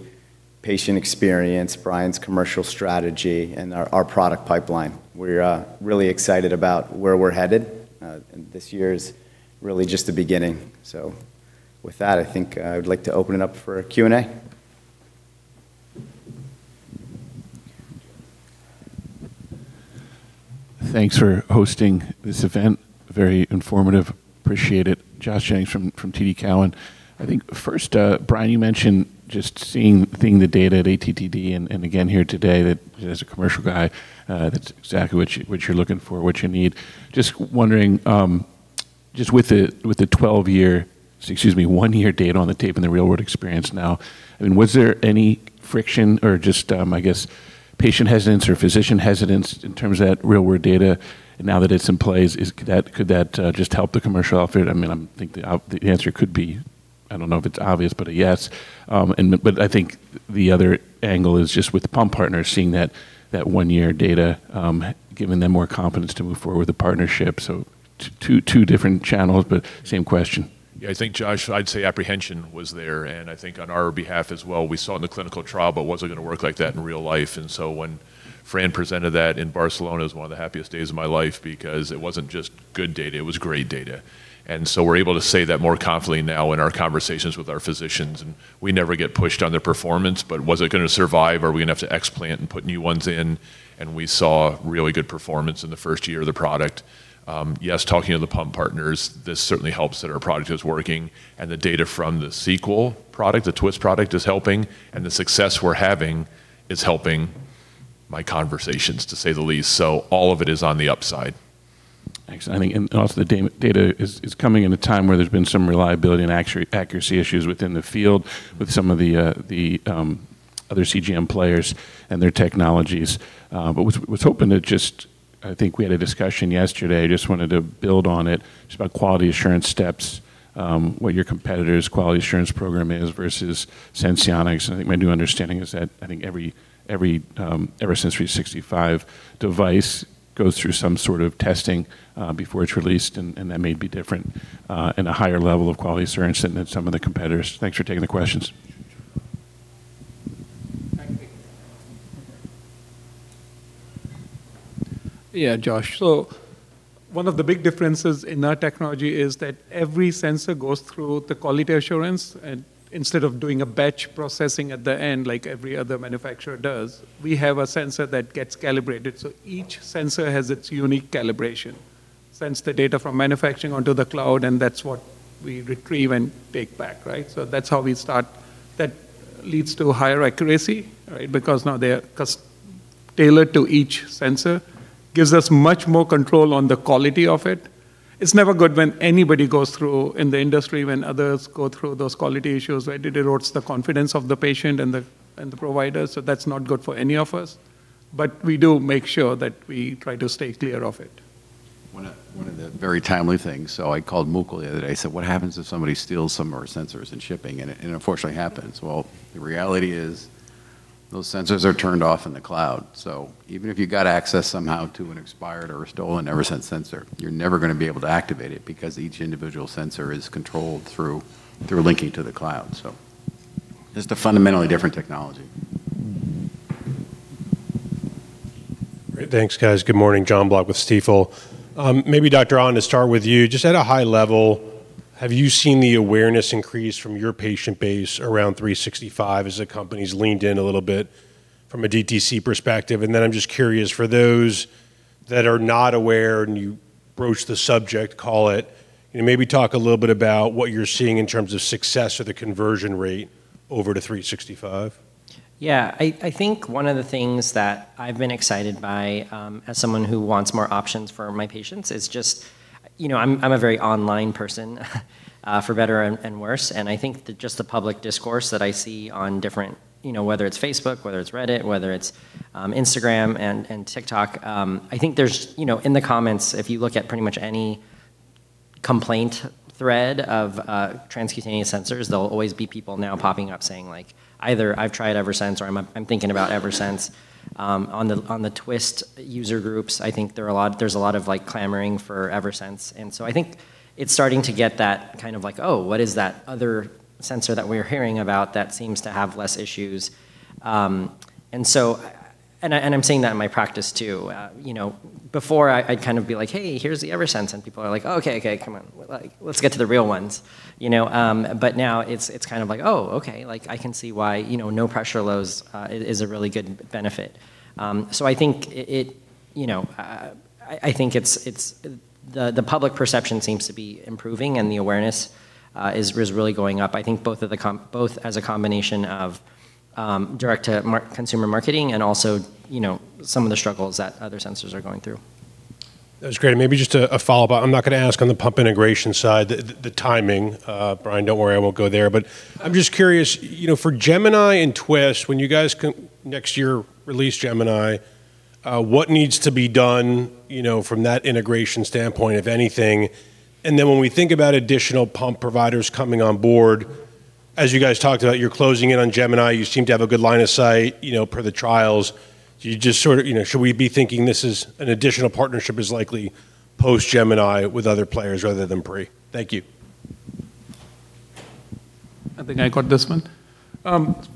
patient experience, Brian's commercial strategy, and our product pipeline. We're really excited about where we're headed. This year is really just the beginning. With that, I think I would like to open it up for Q&A. Thanks for hosting this event. Very informative. Appreciate it. Josh Jennings from TD Cowen. I think first, Brian, you mentioned just seeing the data at ATTD and again here today that, as a commercial guy, that's exactly what you're looking for, what you need. Just wondering, just with the one-year data on the tape and the real-world experience now, was there any friction or just, I guess, patient hesitance or physician hesitance in terms of that real-world data now that it's in place? Could that just help the commercial outfit? I think the answer could be, I don't know if it's obvious, but a yes. I think the other angle is just with pump partners seeing that one-year data, giving them more confidence to move forward with the partnership. Two different channels, but same question. Yeah, I think, Josh, I'd say apprehension was there, and I think on our behalf as well. We saw it in the clinical trial, was it going to work like that in real life? When Fran presented that in Barcelona, it was one of the happiest days of my life because it wasn't just good data, it was great data. We're able to say that more confidently now in our conversations with our physicians. We never get pushed on the performance, but was it going to survive? Are we going to have to explant and put new ones in? We saw really good performance in the first year of the product. Yes, talking to the pump partners, this certainly helps that our product is working, and the data from the Sequel product, the twiist product, is helping, and the success we're having is helping my conversations, to say the least. All of it is on the upside. Thanks. I think also the data is coming at a time where there's been some reliability and accuracy issues within the field with some of the other CGM players and their technologies. Was hoping to just, I think we had a discussion yesterday, just wanted to build on it, just about quality assurance steps, what your competitor's quality assurance program is versus Senseonics. I think my new understanding is that I think every Eversense 365 device goes through some sort of testing before it's released, and that may be different and a higher level of quality assurance than some of the competitors. Thanks for taking the questions. Yeah, Josh. One of the big differences in our technology is that every sensor goes through the quality assurance. Instead of doing a batch processing at the end like every other manufacturer does, we have a sensor that gets calibrated. Each sensor has its unique calibration. It sends the data from manufacturing onto the cloud, and that's what we retrieve and take back. That's how we start. That leads to higher accuracy because now they are tailored to each sensor. It gives us much more control on the quality of it. It's never good when anybody goes through in the industry, when others go through those quality issues. It erodes the confidence of the patient and the provider, so that's not good for any of us. We do make sure that we try to stay clear of it. One of the very timely things. I called Mukul the other day. I said, "What happens if somebody steals some of our sensors in shipping?" It unfortunately happens. Well, the reality is, those sensors are turned off in the cloud. Even if you got access somehow to an expired or a stolen Eversense sensor, you're never going to be able to activate it because each individual sensor is controlled through linking to the cloud. Just a fundamentally different technology. Great. Thanks, guys. Good morning, Jon Block with Stifel. Maybe Dr. Ahn, to start with you, just at a high level, have you seen the awareness increase from your patient base around 365 as the company's leaned in a little bit from a DTC perspective? I'm just curious, for those that are not aware and you broach the subject, call it, can you maybe talk a little bit about what you're seeing in terms of success or the conversion rate over to 365? Yeah. I think one of the things that I've been excited by, as someone who wants more options for my patients, is just I'm a very online person for better and worse, and I think that just the public discourse that I see on different, whether it's Facebook, whether it's Reddit, whether it's Instagram and TikTok, I think there's, in the comments, if you look at pretty much any complaint thread of transcutaneous sensors. There'll always be people now popping up saying either, "I've tried Eversense," or, "I'm thinking about Eversense." On the twiist user groups, I think there's a lot of clamoring for Eversense. I think it's starting to get that kind of like, "Oh, what is that other sensor that we're hearing about that seems to have less issues?" I'm seeing that in my practice, too. Before, I'd kind of be like, "Hey, here's the Eversense." People are like, "Okay, okay, come on. Let's get to the real ones." Now it's kind of like, "Oh, okay. I can see why no pressure lows is a really good benefit." I think the public perception seems to be improving and the awareness is really going up, I think both as a combination of direct-to-consumer marketing and also some of the struggles that other sensors are going through. That was great. Maybe just a follow-up. I'm not going to ask on the pump integration side, the timing. Brian, don't worry, I won't go there. I'm just curious, for Gemini and twiist, when you guys next year release Gemini, what needs to be done from that integration standpoint, if anything? When we think about additional pump providers coming on board, as you guys talked about, you're closing in on Gemini, you seem to have a good line of sight per the trials. Should we be thinking an additional partnership is likely post-Gemini with other players rather than pre? Thank you. I think I got this one.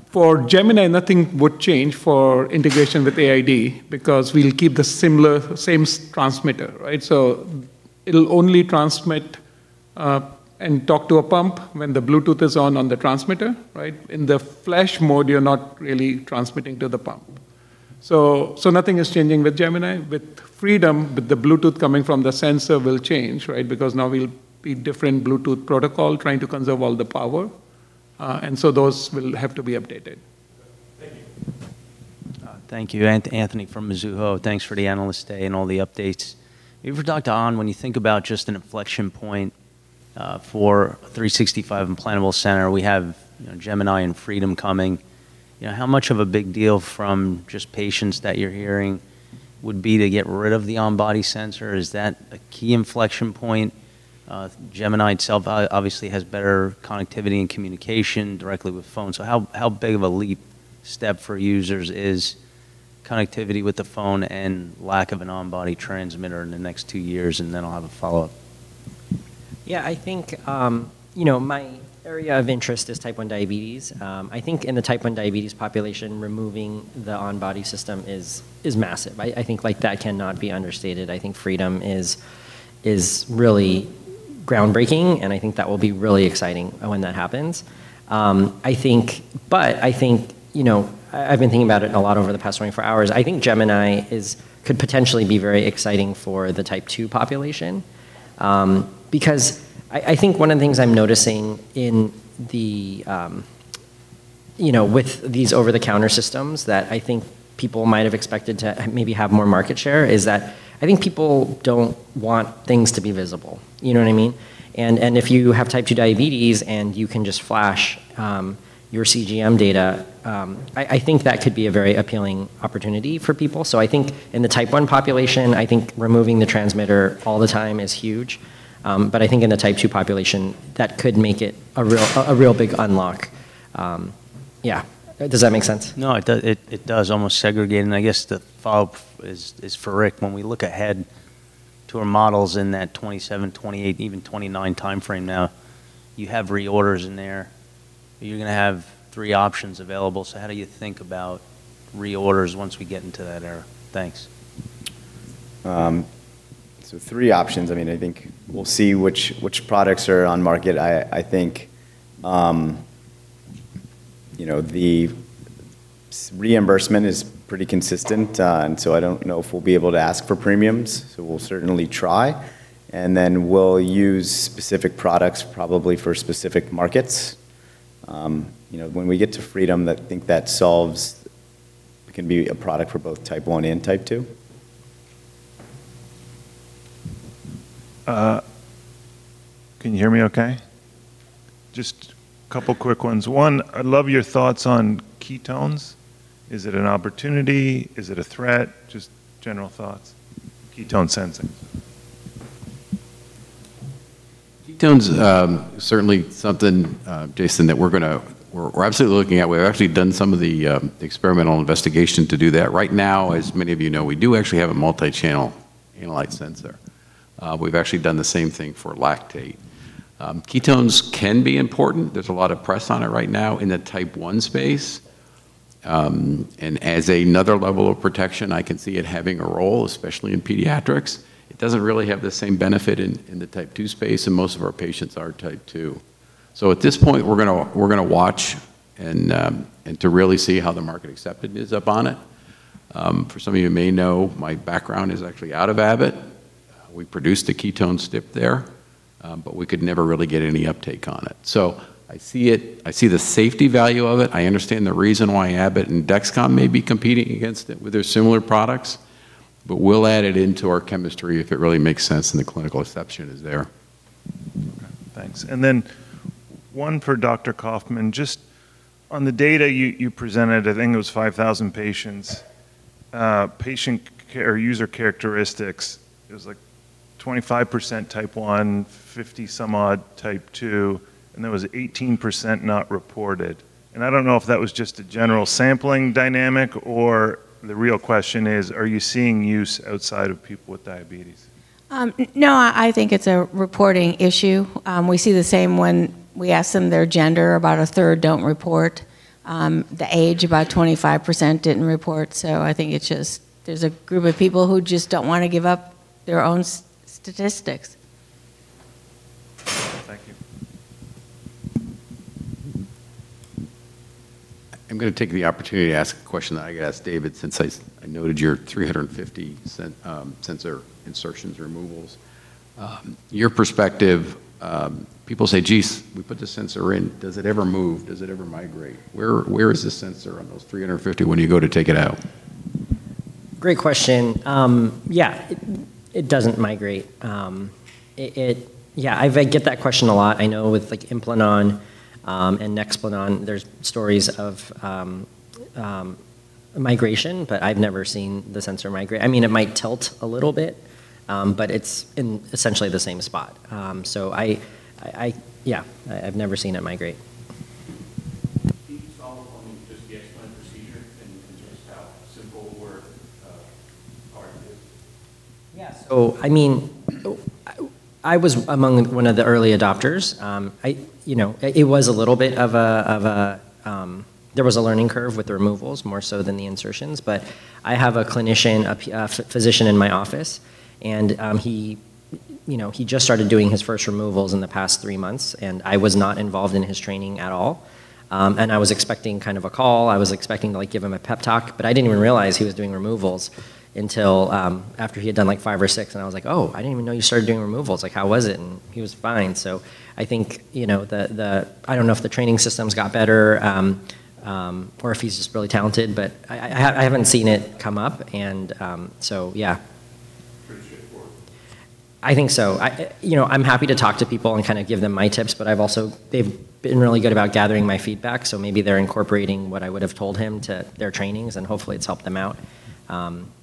For Gemini, nothing would change for integration with AID because we'll keep the same transmitter. It'll only transmit and talk to a pump when the Bluetooth is on on the transmitter. In the flash mode, you're not really transmitting to the pump. Nothing is changing with Gemini. With Freedom, the Bluetooth coming from the sensor will change. Now will be different Bluetooth protocol, trying to conserve all the power. Those will have to be updated. Thank you. Anthony from Mizuho. Thanks for the Analyst Day and all the updates. Maybe for Dr. Ahn, when you think about just an inflection point for 365 implantable sensor, we have Gemini and Freedom coming. How much of a big deal from just patients that you're hearing would be to get rid of the on-body sensor? Is that a key inflection point? Gemini itself obviously has better connectivity and communication directly with phones. How big of a leap step for users is connectivity with the phone and lack of an on-body transmitter in the next two years? I'll have a follow-up. Yeah, I think my area of interest is Type 1 diabetes. I think in the Type 1 diabetes population, removing the on-body system is massive. I think that cannot be understated. I think Freedom is really groundbreaking, and I think that will be really exciting when that happens. I've been thinking about it a lot over the past 24 hours. I think Gemini could potentially be very exciting for the Type 2 population. I think one of the things I'm noticing with these over-the-counter systems that I think people might have expected to maybe have more market share, is that I think people don't want things to be visible. You know what I mean? If you have Type 2 diabetes and you can just flash your CGM data, I think that could be a very appealing opportunity for people. I think in the Type 1 population, I think removing the transmitter all the time is huge. I think in the Type 2 population, that could make it a real big unlock. Yeah. Does that make sense? No, it does. Almost segregating. I guess the follow-up is for Rick. When we look ahead to our models in that 2027, 2028, even 2029 timeframe now, you have reorders in there. You're going to have three options available. How do you think about reorders once we get into that era? Thanks. Three options. I think we'll see which products are on market. I think the reimbursement is pretty consistent. I don't know if we'll be able to ask for premiums, so we'll certainly try, and then we'll use specific products probably for specific markets. When we get to Freedom, I think that can be a product for both Type 1 and Type 2. Can you hear me okay? Just a couple quick ones. One, I'd love your thoughts on ketones. Is it an opportunity? Is it a threat? Just general thoughts. Ketone sensing. Ketones, certainly something, Jason, that we're absolutely looking at. We've actually done some of the experimental investigation to do that. Right now, as many of you know, we do actually have a multi-channel analyte sensor. We've actually done the same thing for lactate. Ketones can be important. There's a lot of press on it right now in the Type 1 space. As another level of protection, I can see it having a role, especially in pediatrics. It doesn't really have the same benefit in the Type 2 space, and most of our patients are Type 2. At this point, we're going to watch and to really see how the market acceptance is up on it. For some of you may know, my background is actually out of Abbott. We produced a ketone strip there, we could never really get any uptake on it. I see the safety value of it. I understand the reason why Abbott and Dexcom may be competing against it with their similar products, but we'll add it into our chemistry if it really makes sense and the clinical acceptance is there. Thanks. One for Dr. Kaufman. Just on the data you presented, I think it was 5,000 patients, patient care user characteristics. It was like 25% Type 1, 50% some odd Type 2, and there was 18% not reported. I don't know if that was just a general sampling dynamic or the real question is, are you seeing use outside of people with diabetes? No, I think it's a reporting issue. We see the same when we ask them their gender, about a third don't report. The age, about 25% didn't report. I think there's a group of people who just don't want to give up their own statistics. Thank you. I'm going to take the opportunity to ask a question that I could ask David, since I noted your 350 sensor insertions, removals. Your perspective, people say, "Geez, we put this sensor in. Does it ever move? Does it ever migrate?" Where is this sensor on those 350 when you go to take it out? Great question. Yeah. It doesn't migrate. I get that question a lot. I know with Implanon and Nexplanon, there's stories of migration, but I've never seen the sensor migrate. It might tilt a little bit, but it's in essentially the same spot. I've never seen it migrate. Can you follow up on just the explant procedure and just how simple or hard it is? I was among one of the early adopters. There was a learning curve with the removals more so than the insertions. I have a clinician, a physician in my office, and he just started doing his first removals in the past three months, and I was not involved in his training at all. I was expecting kind of a call. I was expecting to give him a pep talk, but I didn't even realize he was doing removals until after he had done like five or six and I was like, "Oh, I didn't even know you started doing removals. How was it?" He was fine. I don't know if the training systems got better, or if he's just really talented, but I haven't seen it come up. I think so. I'm happy to talk to people and kind of give them my tips, but they've been really good about gathering my feedback, so maybe they're incorporating what I would have told him to their trainings, and hopefully it's helped them out.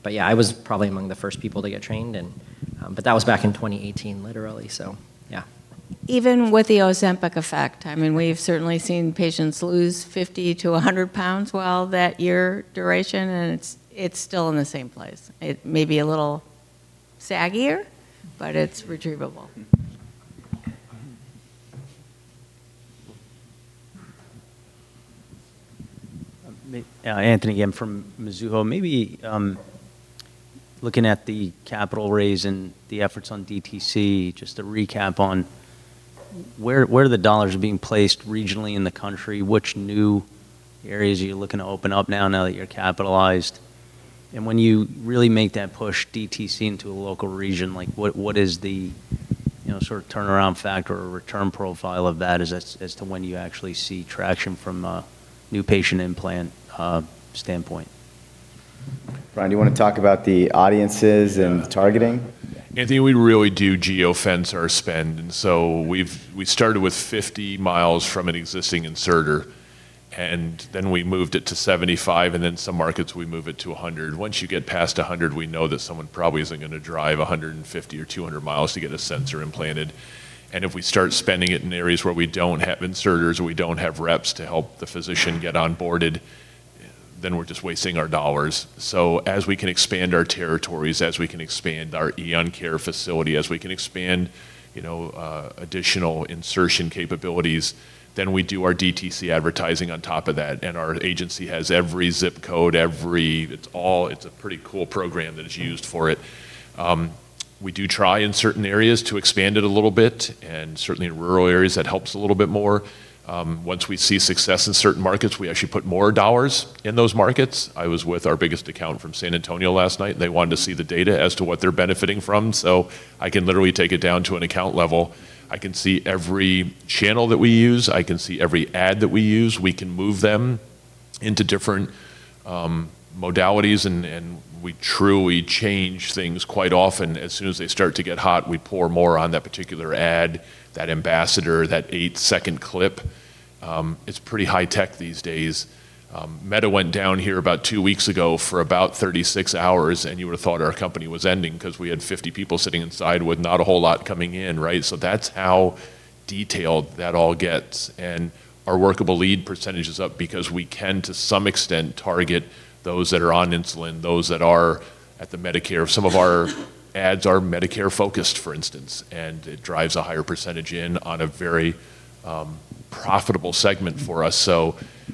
Yeah, I was probably among the first people to get trained, that was back in 2018, literally. Yeah. Even with the Ozempic effect, we've certainly seen patients lose 50 lbs-100 lbs while that year duration, and it's still in the same place. It may be a little saggier, but it's retrievable. Anthony again from Mizuho. Maybe looking at the capital raise and the efforts on DTC, just a recap on where the dollars are being placed regionally in the country, which new areas are you looking to open up now that you're capitalized? When you really make that push DTC into a local region, what is the sort of turnaround factor or return profile of that as to when you actually see traction from a new patient implant standpoint? Brian, do you want to talk about the audiences and targeting? Anthony, we really do geo-fence our spend. We started with 50 mi from an existing inserter, then we moved it to 75 mi, then some markets, we move it to 100 mi. Once you get past 100 mi, we know that someone probably isn't going to drive 150 mi or 200 mi to get a sensor implanted. If we start spending it in areas where we don't have inserters or we don't have reps to help the physician get onboarded, then we're just wasting our dollars. As we can expand our territories, as we can expand our Eon Care facility, as we can expand additional insertion capabilities, then we do our DTC advertising on top of that. Our agency has every zip code. It's a pretty cool program that is used for it. We do try in certain areas to expand it a little bit, and certainly in rural areas, that helps a little bit more. Once we see success in certain markets, we actually put more dollars in those markets. I was with our biggest account from San Antonio last night, and they wanted to see the data as to what they're benefiting from. I can literally take it down to an account level. I can see every channel that we use. I can see every ad that we use. We can move them into different modalities, and we truly change things quite often. As soon as they start to get hot, we pour more on that particular ad, that ambassador, that eight-second clip. It's pretty high tech these days. Meta went down here about two weeks ago for about 36 hours, you would have thought our company was ending because we had 50 people sitting inside with not a whole lot coming in, right? That's how detailed that all gets. Our workable lead percentage is up because we can, to some extent, target those that are on insulin, those that are at the Medicare. Some of our ads are Medicare-focused, for instance, and it drives a higher percentage in on a very profitable segment for us.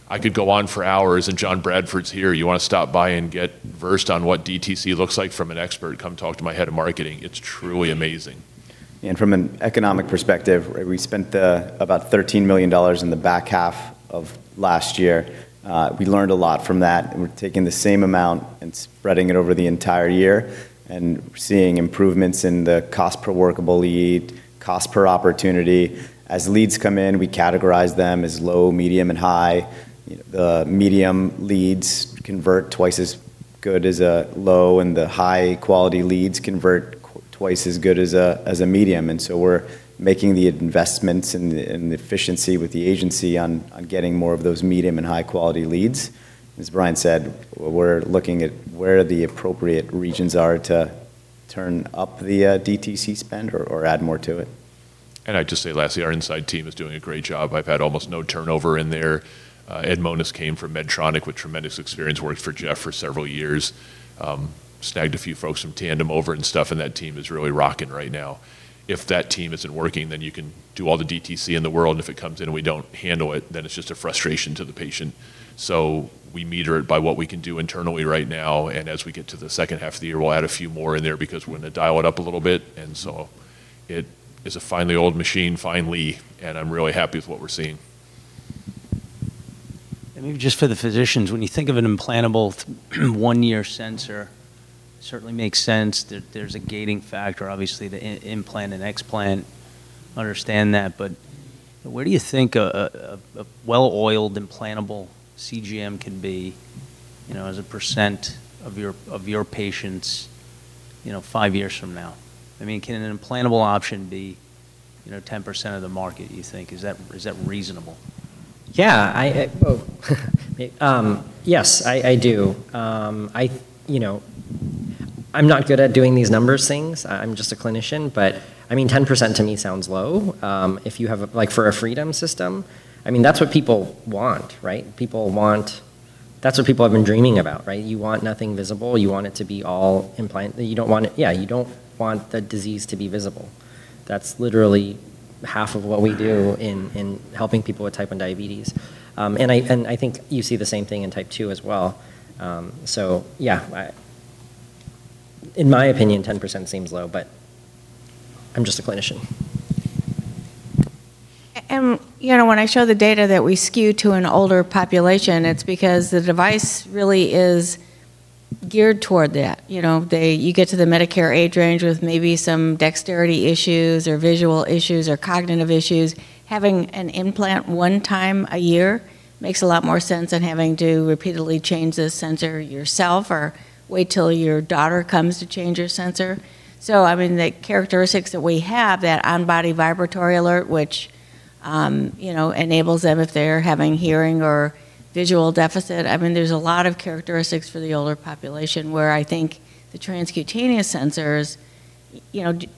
I could go on for hours, and John Bradford's here. You want to stop by and get versed on what DTC looks like from an expert, come talk to my head of marketing. It's truly amazing. From an economic perspective, we spent about $13 million in the back half of last year. We learned a lot from that, and we're taking the same amount and spreading it over the entire year and seeing improvements in the cost per workable lead, cost per opportunity. As leads come in, we categorize them as low, medium, and high. The medium leads convert twice as good as a low and the high-quality leads convert twice as good as a medium. We're making the investments and the efficiency with the agency on getting more of those medium and high-quality leads. As Brian said, we're looking at where the appropriate regions are to turn up the DTC spend or add more to it. I'd just say lastly, our inside team is doing a great job. I've had almost no turnover in there. Ed Monas came from Medtronic with tremendous experience, worked for Jeff for several years. Snagged a few folks from Tandem over and stuff, and that team is really rocking right now. If that team isn't working, then you can do all the DTC in the world, and if it comes in and we don't handle it, then it's just a frustration to the patient. We meter it by what we can do internally right now, and as we get to the second half of the year, we'll add a few more in there because we're going to dial it up a little bit. It is a finely oiled machine finally, and I'm really happy with what we're seeing. Maybe just for the physicians, when you think of an implantable one-year sensor, certainly makes sense that there's a gating factor. Obviously, the implant and explant, understand that. But where do you think a well-oiled implantable CGM can be as a percent of your patients, five years from now? Can an implantable option be 10% of the market, you think? Is that reasonable? Yeah. Yes, I do. I'm not good at doing these numbers things. I'm just a clinician, but 10% to me sounds low. For a Freedom system, that's what people want. That's what people have been dreaming about. You want nothing visible. You want it to be all implant. You don't want the disease to be visible. That's literally half of what we do in helping people with Type 1 diabetes. I think you see the same thing in Type 2 as well. Yeah, in my opinion, 10% seems low, but I'm just a clinician. When I show the data that we skew to an older population, it's because the device really is geared toward that. You get to the Medicare age range with maybe some dexterity issues or visual issues or cognitive issues. Having an implant one time a year makes a lot more sense than having to repeatedly change the sensor yourself or wait till your daughter comes to change your sensor. The characteristics that we have, that on-body vibratory alert, which enables them if they're having hearing or visual deficit. There's a lot of characteristics for the older population where I think the transcutaneous sensors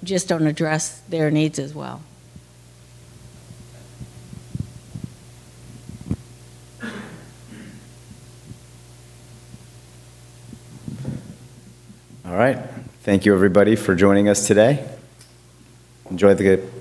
just don't address their needs as well. All right. Thank you, everybody, for joining us today. Enjoy the good.